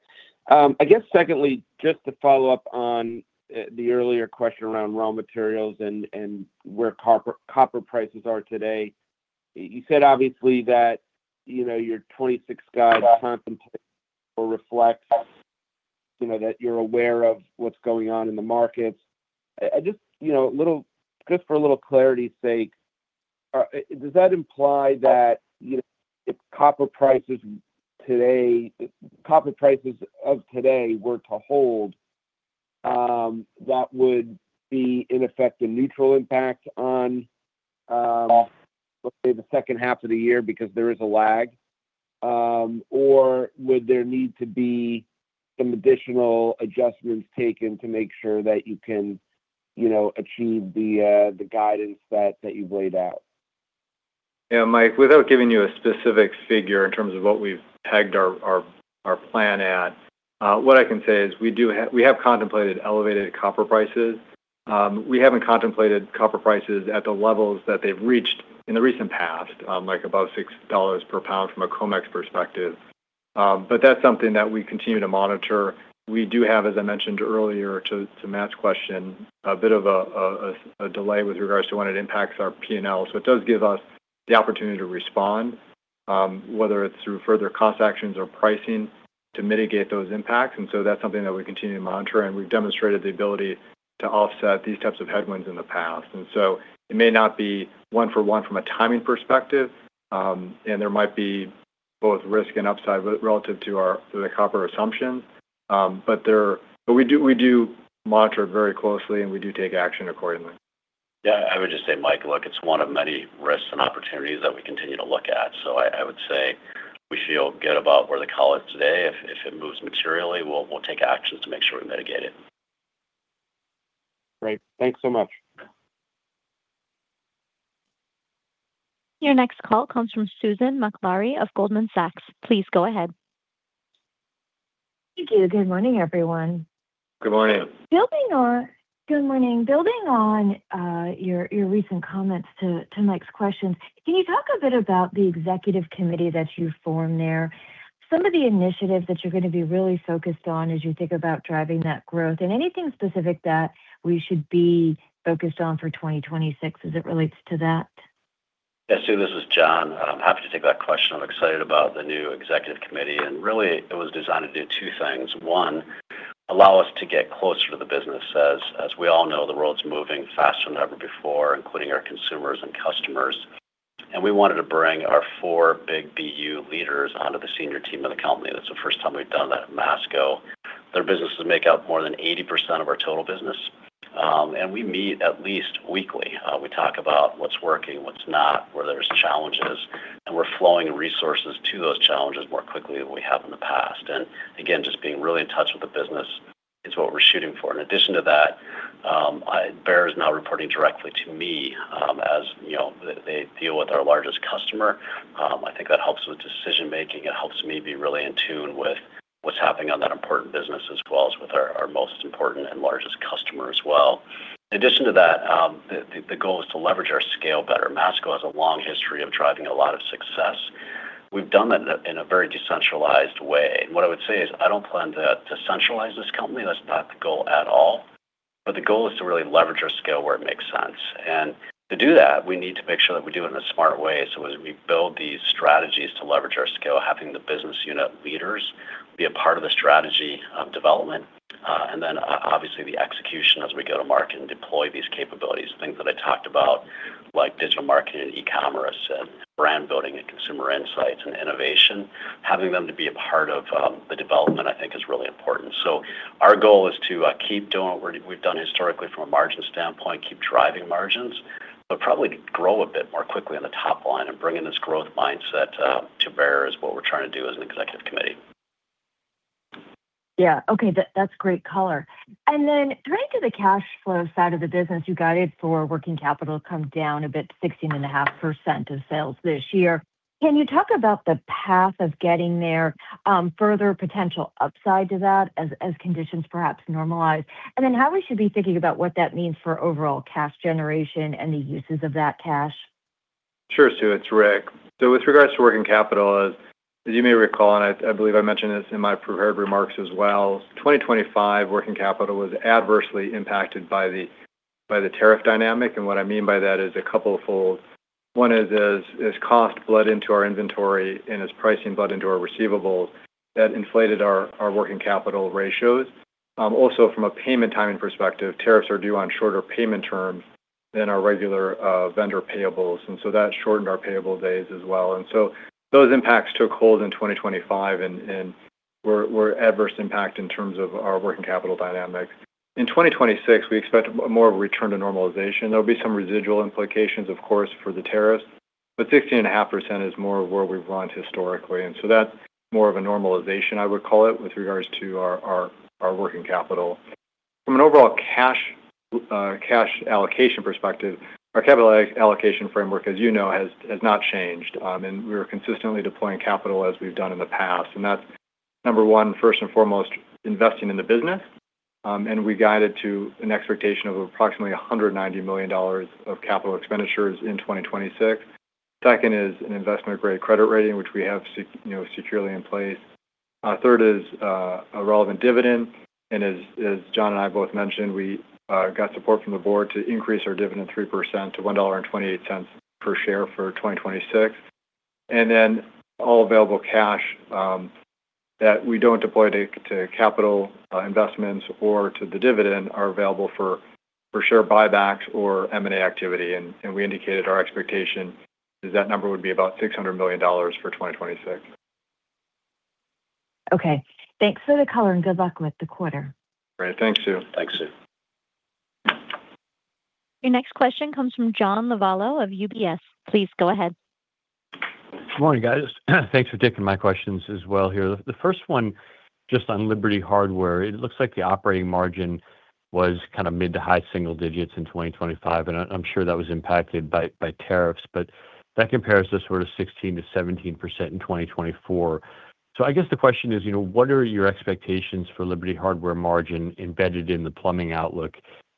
I guess secondly, just to follow up on the earlier question around raw materials and where copper prices are today. You said, obviously, that, you know, your 2026 guide contemplates or reflects, you know, that you're aware of what's going on in the markets. Just, you know, a little - just for a little clarity's sake, does that imply that, you know, if copper prices today - if copper prices of today were to hold, that would be, in effect, a neutral impact on, let's say, the second half of the year because there is a lag? Or would there need to be some additional adjustments taken to make sure that you can, you know, achieve the guidance that you've laid out? Yeah, Mike, without giving you a specific figure in terms of what we've pegged our plan at, what I can say is we have contemplated elevated copper prices. We haven't contemplated copper prices at the levels that they've reached in the recent past, like above $6 per pound from a COMEX perspective. But that's something that we continue to monitor. We do have, as I mentioned earlier to Matt's question, a bit of a delay with regards to when it impacts our P&L. So it does give us the opportunity to respond, whether it's through further cost actions or pricing, to mitigate those impacts. And so that's something that we continue to monitor, and we've demonstrated the ability to offset these types of headwinds in the past. And so it may not be one for one from a timing perspective, and there might be both risk and upside relative to our, to the copper assumption. But we do, we do monitor very closely, and we do take action accordingly. Yeah. I would just say, Mike, look, it's one of many risks and opportunities that we continue to look at. So I, I would say we feel good about where the call is today. If, if it moves materially, we'll, we'll take actions to make sure we mitigate it. Great. Thanks so much. Your next call comes from Susan Maklari of Goldman Sachs. Please go ahead. Thank you. Good morning, everyone. Good morning. Good morning. Building on your recent comments to Mike's questions, can you talk a bit about the executive committee that you formed there, some of the initiatives that you're gonna be really focused on as you think about driving that growth, and anything specific that we should be focused on for 2026 as it relates to that? Yeah, Sue, this is John. I'm happy to take that question. I'm excited about the new executive committee, and really, it was designed to do two things. One, allow us to get closer to the business. As we all know, the world's moving faster than ever before, including our consumers and customers, and we wanted to bring our four big BU leaders onto the senior team of the company. That's the first time we've done that at Masco. Their businesses make up more than 80% of our total business. And we meet at least weekly. We talk about what's working, what's not, where there's challenges, and we're flowing resources to those challenges more quickly than we have in the past. And again, just being really in touch with the business is what we're shooting for. In addition to that, Behr is now reporting directly to me, as, you know, they deal with our largest customer. I think that helps with decision-making. It helps me be really in tune with what's happening on that important business, as well as with our most important and largest customer as well. In addition to that, the goal is to leverage our scale better. Masco has a long history of driving a lot of success. We've done that in a very decentralized way. What I would say is, I don't plan to centralize this company. That's not the goal at all, but the goal is to really leverage our scale where it makes sense. And to do that, we need to make sure that we do it in a smarter way. So as we build these strategies to leverage our scale, having the business unit leaders be a part of the strategy of development, and then obviously, the execution as we go to market and deploy these capabilities, things that I talked about, like digital marketing, e-commerce, and brand building, and consumer insights, and innovation. Having them to be a part of the development, I think, is really important. So our goal is to keep doing what we've done historically from a margin standpoint, keep driving margins, but probably grow a bit more quickly on the top line and bring in this growth mindset to Behr, is what we're trying to do as an executive committee. ... Yeah. Okay, that, that's great color. And then turning to the cash flow side of the business, you guided for working capital to come down a bit, 16.5% of sales this year. Can you talk about the path of getting there, further potential upside to that as, as conditions perhaps normalize? And then how we should be thinking about what that means for overall cash generation and the uses of that cash? Sure, Sue, it's Rick. So with regards to working capital, as you may recall, and I believe I mentioned this in my prepared remarks as well, 2025 working capital was adversely impacted by the tariff dynamic. And what I mean by that is a couple of folds. One is, as cost bled into our inventory and as pricing bled into our receivables, that inflated our working capital ratios. Also, from a payment timing perspective, tariffs are due on shorter payment terms than our regular vendor payables, and so that shortened our payable days as well. And so those impacts took hold in 2025 and were adverse impact in terms of our working capital dynamics. In 2026, we expect more of a return to normalization. There'll be some residual implications, of course, for the tariffs, but 16.5% is more where we've run historically. And so that's more of a normalization, I would call it, with regards to our working capital. From an overall cash, cash allocation perspective, our capital allocation framework, as you know, has not changed, and we're consistently deploying capital as we've done in the past. And that's, number one, first and foremost, investing in the business. And we guided to an expectation of approximately $190 million of capital expenditures in 2026. Second is an investment-grade credit rating, which we have securely in place, you know. Third is a relevant dividend, and as John and I both mentioned, we got support from the board to increase our dividend 3% to $1.28 per share for 2026. And then all available cash that we don't deploy to capital investments or to the dividend are available for share buybacks or M&A activity. And we indicated our expectation is that number would be about $600 million for 2026. Okay. Thanks for the color, and good luck with the quarter. Great. Thanks, Sue. Thanks, Sue. Your next question comes from John Lovallo of UBS. Please go ahead. Good morning, guys. Thanks for taking my questions as well here. The first one, just on Liberty Hardware. It looks like the operating margin was kind of mid- to high single digits in 2025, and I'm sure that was impacted by tariffs, but that compares to sort of 16%-17% in 2024. So I guess the question is, you know, what are your expectations for Liberty Hardware margin embedded in the plumbing outlook?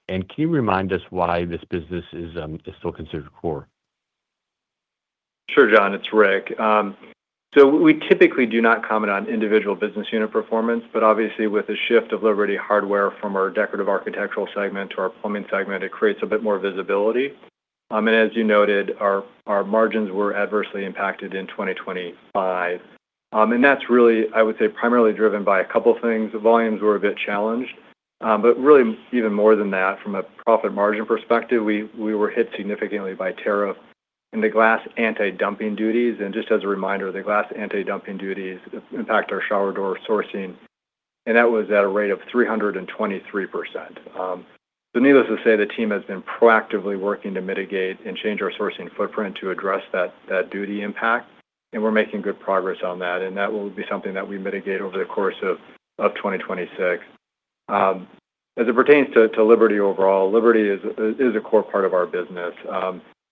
And can you remind us why this business is still considered core? Sure, John, it's Rick. So we typically do not comment on individual business unit performance, but obviously, with the shift of Liberty Hardware from our decorative architectural segment to our plumbing segment, it creates a bit more visibility. And as you noted, our, our margins were adversely impacted in 2025. And that's really, I would say, primarily driven by a couple things. The volumes were a bit challenged, but really even more than that, from a profit margin perspective, we, we were hit significantly by tariff and the glass anti-dumping duties. And just as a reminder, the glass anti-dumping duties impact our shower door sourcing, and that was at a rate of 323%. So needless to say, the team has been proactively working to mitigate and change our sourcing footprint to address that duty impact, and we're making good progress on that, and that will be something that we mitigate over the course of 2026. As it pertains to Liberty overall, Liberty is a core part of our business.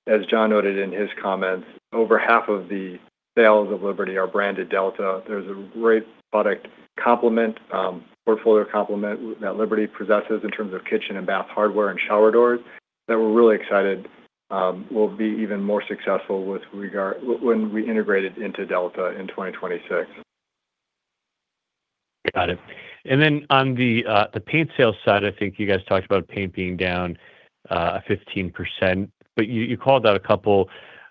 As John noted in his comments, over half of the sales of Liberty are branded Delta. There's a great product complement, portfolio complement that Liberty possesses in terms of kitchen and bath hardware and shower doors, that we're really excited will be even more successful with regard-when we integrate it into Delta in 2026. Got it. And then on the paint sales side, I think you guys talked about paint being down 15%, but you called out a couple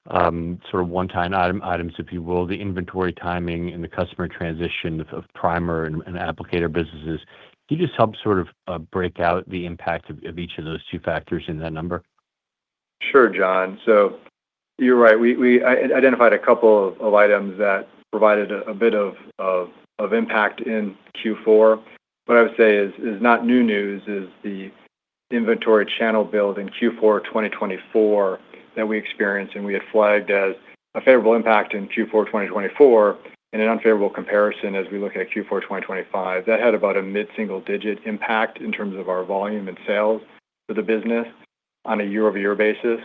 sort of one-time item, items, if you will, the inventory timing and the customer transition of primer and applicator businesses. Can you just help sort of break out the impact of each of those two factors in that number? Sure, John. So you're right. We identified a couple of items that provided a bit of impact in Q4. What I would say is not new news is the inventory channel build in Q4 2024 that we experienced, and we had flagged as a favorable impact in Q4 2024 and an unfavorable comparison as we look at Q4 2025. That had about a mid-single-digit impact in terms of our volume and sales for the business on a year-over-year basis.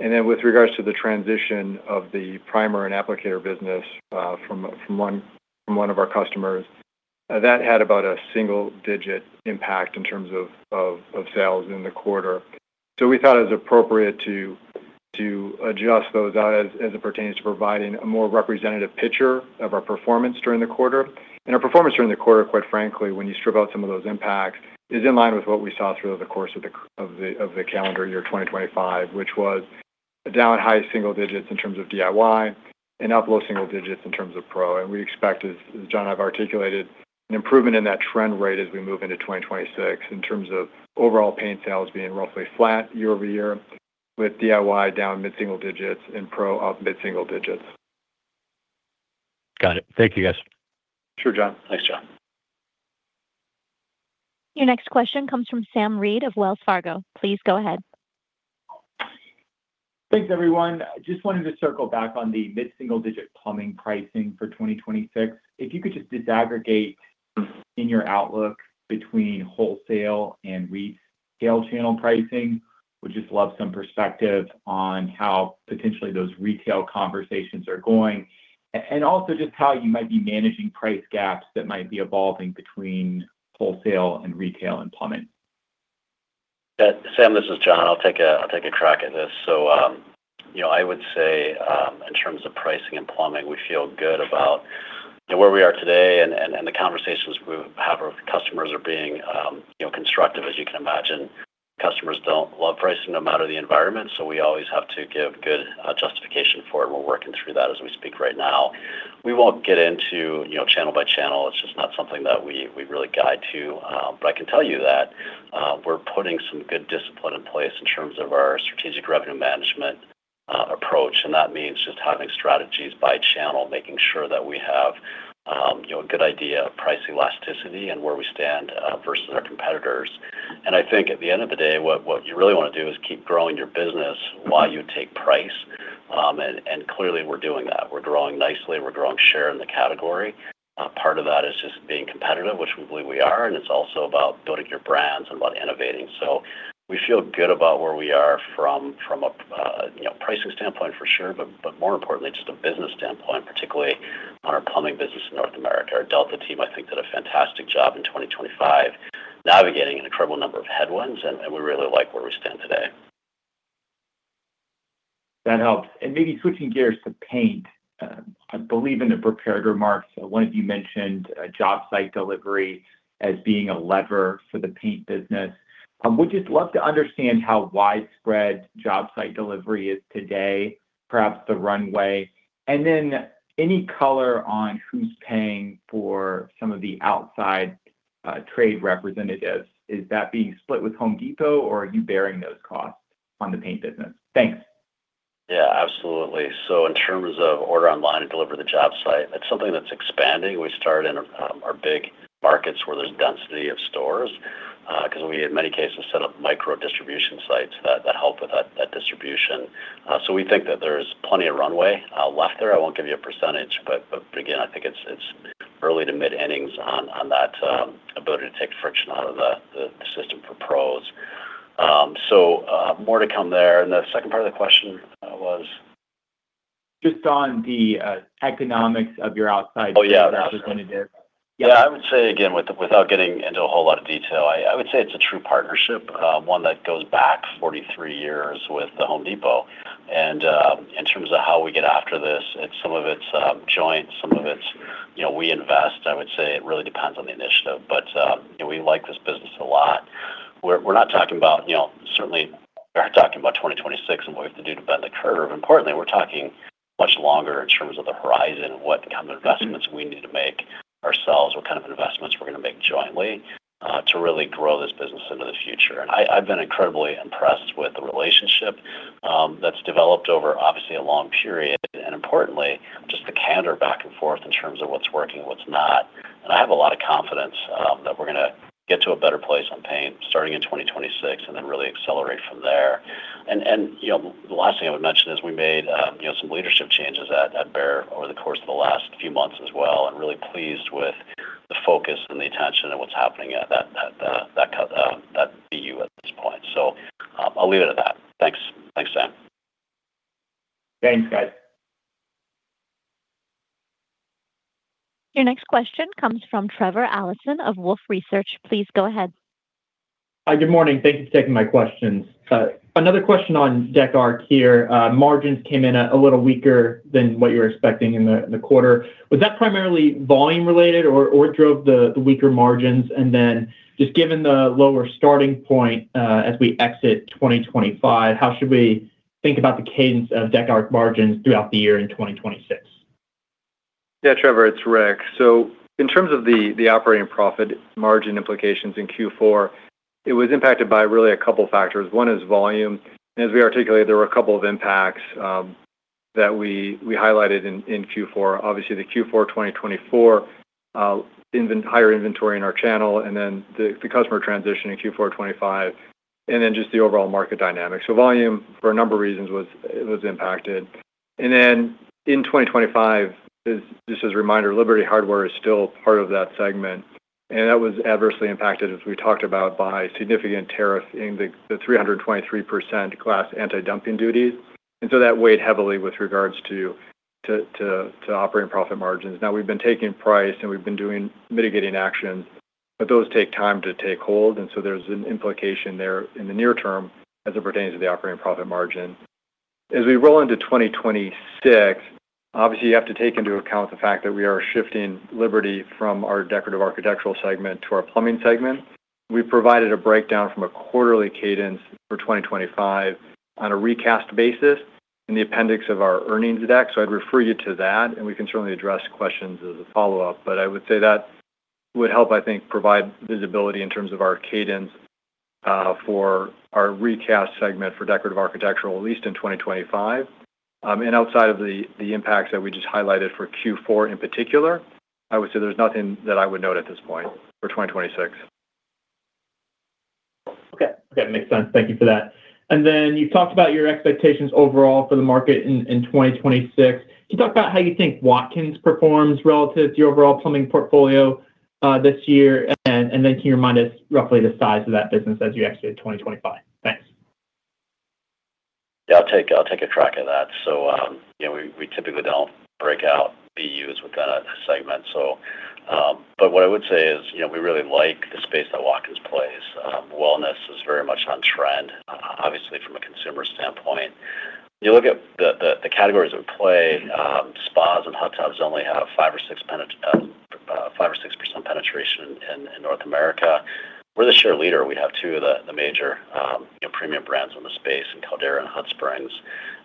And then with regards to the transition of the primer and applicator business from one of our customers, that had about a single-digit impact in terms of sales in the quarter. So we thought it was appropriate to adjust those out as it pertains to providing a more representative picture of our performance during the quarter. Our performance during the quarter, quite frankly, when you strip out some of those impacts, is in line with what we saw through the course of the calendar year 2025, which was down high single digits in terms of DIY and up low single digits in terms of Pro. We expect, as John have articulated, an improvement in that trend rate as we move into 2026 in terms of overall paint sales being roughly flat year-over-year, with DIY down mid-single digits and Pro up mid-single digits. Got it. Thank you, guys. Sure, John. Thanks, John. Your next question comes from Sam Reid of Wells Fargo. Please go ahead. ... Thanks, everyone. I just wanted to circle back on the mid-single-digit plumbing pricing for 2026. If you could just disaggregate in your outlook between wholesale and retail channel pricing, would just love some perspective on how potentially those retail conversations are going, and also just how you might be managing price gaps that might be evolving between wholesale and retail and plumbing. Sam, this is John. I'll take a crack at this. So, you know, I would say, in terms of pricing and plumbing, we feel good about where we are today, and the conversations we have with customers are being, you know, constructive. As you can imagine, customers don't love pricing no matter the environment, so we always have to give good justification for it, and we're working through that as we speak right now. We won't get into, you know, channel by channel. It's just not something that we really guide to, but I can tell you that we're putting some good discipline in place in terms of our strategic revenue management approach, and that means just having strategies by channel, making sure that we have, you know, a good idea of price elasticity and where we stand versus our competitors. I think at the end of the day, what you really want to do is keep growing your business while you take price. Clearly, we're doing that. We're growing nicely. We're growing share in the category. Part of that is just being competitive, which we believe we are, and it's also about building your brands and about innovating. So we feel good about where we are from a, you know, pricing standpoint for sure, but more importantly, just a business standpoint, particularly on our plumbing business in North America. Our Delta team, I think, did a fantastic job in 2025, navigating an incredible number of headwinds, and we really like where we stand today. That helps. And maybe switching gears to paint. I believe in the prepared remarks, one of you mentioned, job site delivery as being a lever for the paint business. Would you love to understand how widespread job site delivery is today, perhaps the runway, and then any color on who's paying for some of the outside, trade representatives? Is that being split with Home Depot, or are you bearing those costs on the paint business? Thanks. Yeah, absolutely. So in terms of order online and deliver the job site, it's something that's expanding. We started in our big markets where there's density of stores, 'cause we, in many cases, set up micro distribution sites that help with that distribution. So we think that there's plenty of runway left there. I won't give you a percentage, but but again, I think it's early to mid-innings on that ability to take the friction out of the system for pros. So, more to come there. And the second part of the question was? Just on the economics of your outside- Oh, yeah. Representatives. Yeah, I would say again, without getting into a whole lot of detail, I would say it's a true partnership, one that goes back 43 years with the Home Depot. And, in terms of how we get after this, it's some of it's joint, some of it's, you know, we invest. I would say it really depends on the initiative, but, and we like this business a lot. We're not talking about, you know, certainly, we're not talking about 2026 and what we have to do to bend the curve. Importantly, we're talking much longer in terms of the horizon, what kind of investments we need to make ourselves, what kind of investments we're gonna make jointly, to really grow this business into the future. And I've been incredibly impressed with the relationship that's developed over obviously a long period, and importantly, just the candor back and forth in terms of what's working, what's not. And I have a lot of confidence that we're gonna get to a better place on paint, starting in 2026, and then really accelerate from there. And you know, the last thing I would mention is we made you know, some leadership changes at Behr over the course of the last few months as well, and really pleased with the focus and the attention on what's happening at that BU at this point. So, I'll leave it at that. Thanks. Thanks, Sam. Thanks, guys. Your next question comes from Trevor Allinson of Wolfe Research. Please go ahead. Good morning. Thank you for taking my questions. Another question on Dec Arch here. Margins came in a little weaker than what you're expecting in the quarter. Was that primarily volume related or drove the weaker margins? And then, just given the lower starting point, as we exit 2025, how should we think about the cadence of Dec Arch margins throughout the year in 2026? Yeah, Trevor, it's Rick. So in terms of the operating profit margin implications in Q4, it was impacted by really a couple factors. One is volume. And as we articulated, there were a couple of impacts that we highlighted in Q4. Obviously, the Q4 2024 higher inventory in our channel, and then the customer transition in Q4 2025, and then just the overall market dynamics. So volume, for a number of reasons, was impacted. And then in 2025, is just as a reminder, Liberty Hardware is still part of that segment, and that was adversely impacted, as we talked about, by significant tariff in the 323% glass anti-dumping duties. And so that weighed heavily with regards to operating profit margins. Now, we've been taking price, and we've been doing mitigating actions, but those take time to take hold, and so there's an implication there in the near term as it pertains to the operating profit margin. As we roll into 2026, obviously, you have to take into account the fact that we are shifting Liberty from our decorative architectural segment to our plumbing segment. We provided a breakdown from a quarterly cadence for 2025 on a recast basis in the appendix of our earnings deck, so I'd refer you to that, and we can certainly address questions as a follow-up. But I would say that would help, I think, provide visibility in terms of our cadence, for our recast segment for decorative architectural, at least in 2025. Outside of the impacts that we just highlighted for Q4 in particular, I would say there's nothing that I would note at this point for 2026.... Okay, okay, makes sense. Thank you for that. And then you talked about your expectations overall for the market in 2026. Can you talk about how you think Watkins performs relative to your overall plumbing portfolio this year? And then can you remind us roughly the size of that business as you exit 2025? Thanks. Yeah, I'll take a crack at that. So, you know, we typically don't break out the use within a segment. So, but what I would say is, you know, we really like the space that Watkins plays. Wellness is very much on trend, obviously, from a consumer standpoint. You look at the categories at play, spas and hot tubs only have 5%-6% penetration in North America. We're the share leader. We have two of the major, you know, premium brands on the space in Caldera and Hot Spring.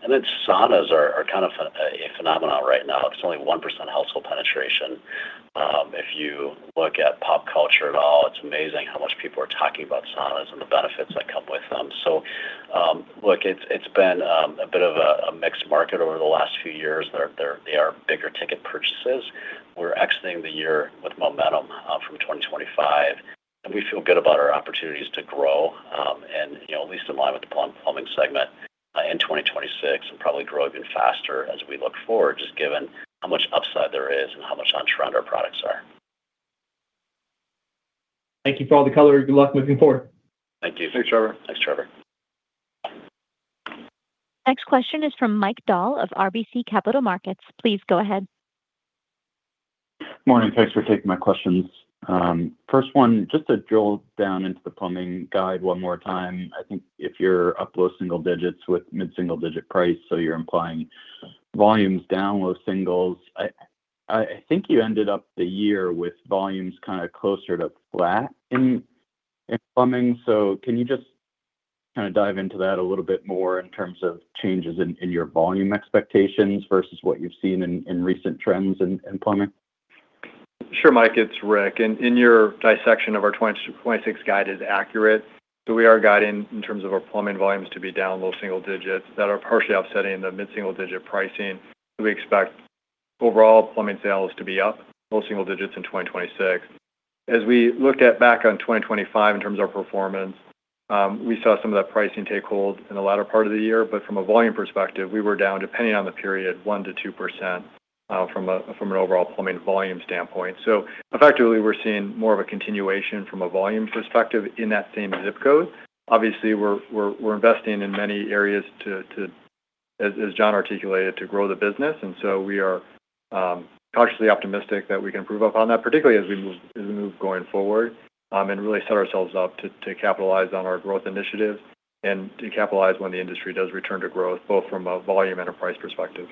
And then saunas are kind of a phenomenon right now. It's only 1% household penetration. If you look at pop culture at all, it's amazing how much people are talking about saunas and the benefits that come with them. So, look, it's been a bit of a mixed market over the last few years. They're bigger ticket purchases. We're exiting the year with momentum from 2025, and we feel good about our opportunities to grow, and, you know, at least in line with the plumbing segment in 2026, and probably grow even faster as we look forward, just given how much upside there is and how much on trend our products are. Thank you for all the color. Good luck moving forward. Thank you. Thanks, Trevor. Thanks, Trevor. Next question is from Mike Dahl of RBC Capital Markets. Please go ahead. Morning. Thanks for taking my questions. First one, just to drill down into the plumbing guidance one more time. I think if you're up low single digits with mid-single digit price, so you're implying volumes down low singles. I think you ended up the year with volumes kind of closer to flat in plumbing. So can you just kind of dive into that a little bit more in terms of changes in your volume expectations versus what you've seen in recent trends in plumbing? Sure, Mike, it's Rick. And in your dissection of our 2026 guide is accurate. So we are guiding in terms of our plumbing volumes to be down low single digits. That are partially offsetting the mid-single-digit pricing, we expect overall plumbing sales to be up low single digits in 2026. As we looked back on 2025 in terms of our performance, we saw some of that pricing take hold in the latter part of the year, but from a volume perspective, we were down, depending on the period, 1%-2%, from an overall plumbing volume standpoint. So effectively, we're seeing more of a continuation from a volume perspective in that same zip code. Obviously, we're investing in many areas to, as John articulated, to grow the business. So we are cautiously optimistic that we can improve upon that, particularly as we move going forward, and really set ourselves up to capitalize on our growth initiatives and to capitalize when the industry does return to growth, both from a volume and a price perspective.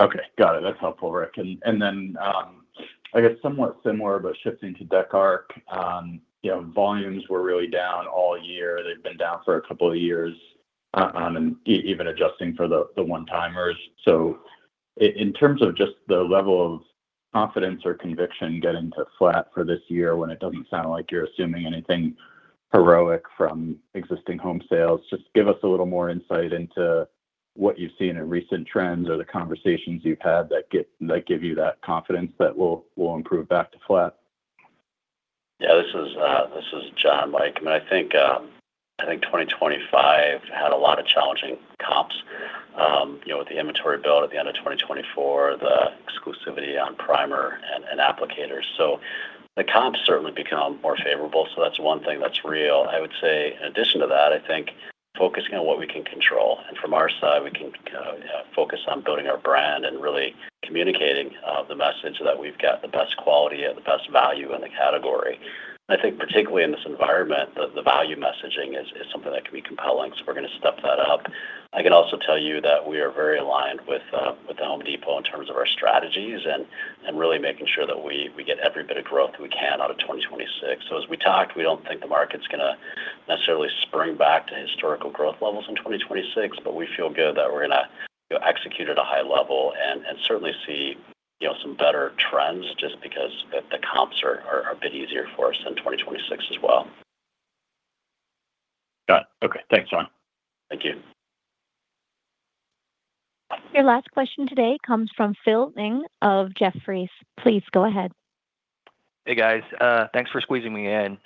Okay, got it. That's helpful, Rick. And then, I guess somewhat similar, but shifting to Delta, you know, volumes were really down all year. They've been down for a couple of years, and even adjusting for the one-timers. So in terms of just the level of confidence or conviction getting to flat for this year, when it doesn't sound like you're assuming anything heroic from existing home sales, just give us a little more insight into what you've seen in recent trends or the conversations you've had that give you that confidence that we'll improve back to flat. Yeah. This is, this is John, Mike. I mean, I think, I think 2025 had a lot of challenging comps, you know, with the inventory build at the end of 2024, the exclusivity on primer and applicators. So the comps certainly become more favorable, so that's one thing that's real. I would say in addition to that, I think focusing on what we can control. And from our side, we can focus on building our brand and really communicating the message that we've got the best quality and the best value in the category. I think particularly in this environment, the value messaging is something that can be compelling, so we're going to step that up. I can also tell you that we are very aligned with The Home Depot in terms of our strategies and really making sure that we get every bit of growth we can out of 2026. So as we talked, we don't think the market's going to necessarily spring back to historical growth levels in 2026, but we feel good that we're gonna execute at a high level and certainly see, you know, some better trends just because the comps are a bit easier for us in 2026 as well. Got it. Okay. Thanks, John. Thank you. Your last question today comes from Phil Ng of Jefferies. Please go ahead. Hey, guys. Thanks for squeezing me in.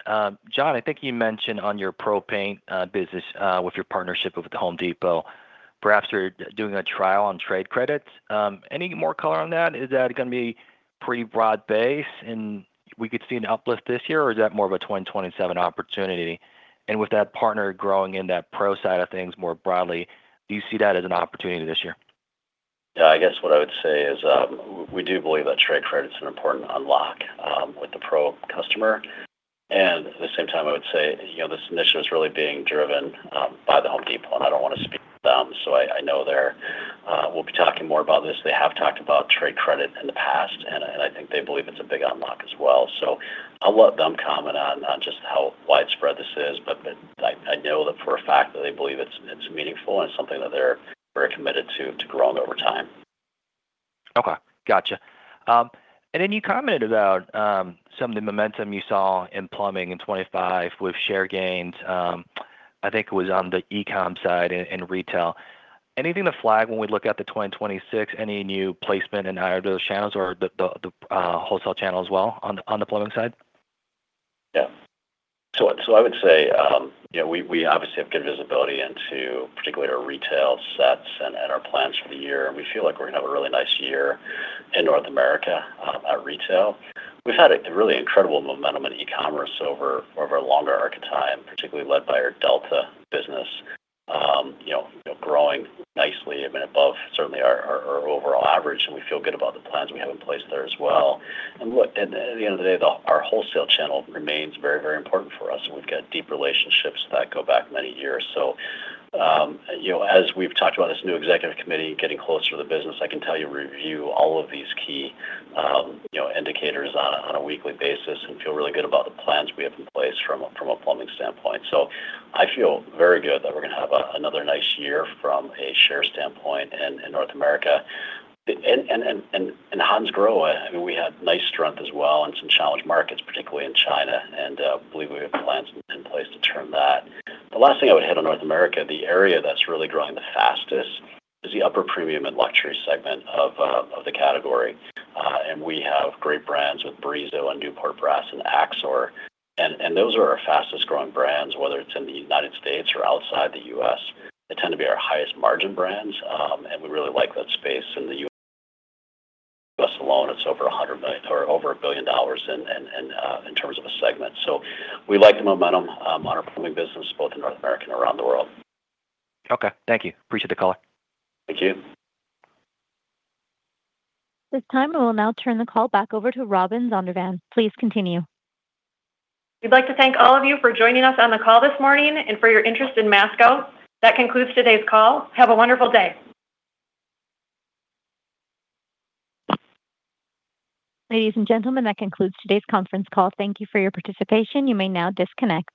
John, I think you mentioned on your Pro paint business with your partnership with The Home Depot, perhaps you're doing a trial on trade credits. Any more color on that? Is that going to be pretty broad-based, and we could see an uplift this year, or is that more of a 2027 opportunity? And with that partner growing in that Pro side of things more broadly, do you see that as an opportunity this year? Yeah, I guess what I would say is, we do believe that trade credit is an important unlock with the Pro customer. And at the same time, I would say, you know, this initiative is really being driven by The Home Depot, and I don't want to speak for them, so I know they're... We'll be talking more about this. They have talked about trade credit in the past, and I think they believe it's a big unlock as well. So I'll let them comment on just how widespread this is, but I know that for a fact that they believe it's meaningful and something that they're very committed to growing over time. Okay, gotcha. And then you commented about some of the momentum you saw in plumbing in 2025 with share gains,... I think it was on the e-comm side in, in retail. Anything to flag when we look at the 2026? Any new placement in either of those channels or the wholesale channel as well on the, on the plumbing side? Yeah. So I would say, you know, we obviously have good visibility into particularly our retail sets and our plans for the year, and we feel like we're gonna have a really nice year in North America at retail. We've had a really incredible momentum in e-commerce over a longer arc of time, particularly led by our Delta business. You know, growing nicely and above certainly our overall average, and we feel good about the plans we have in place there as well. And look, at the end of the day, our wholesale channel remains very, very important for us, and we've got deep relationships that go back many years. So, you know, as we've talked about this new executive committee getting closer to the business, I can tell you, we review all of these key, you know, indicators on a, on a weekly basis and feel really good about the plans we have in place from a, from a plumbing standpoint. So I feel very good that we're gonna have another nice year from a share standpoint in, in North America. And Hansgrohe, I mean, we had nice strength as well in some challenged markets, particularly in China, and believe we have plans in place to turn that. The last thing I would hit on North America, the area that's really growing the fastest is the upper premium and luxury segment of, of the category. We have great brands with Brizo and Newport Brass and Axor, and those are our fastest growing brands, whether it's in the United States or outside the US. They tend to be our highest margin brands, and we really like that space. In the US alone, it's over $100 million or over $1 billion in terms of a segment. So we like the momentum on our plumbing business, both in North America and around the world. Okay. Thank you. Appreciate the call. Thank you. At this time, I will now turn the call back over to Robin Zondervan. Please continue. We'd like to thank all of you for joining us on the call this morning and for your interest in Masco. That concludes today's call. Have a wonderful day! Ladies and gentlemen, that concludes today's conference call. Thank you for your participation. You may now disconnect.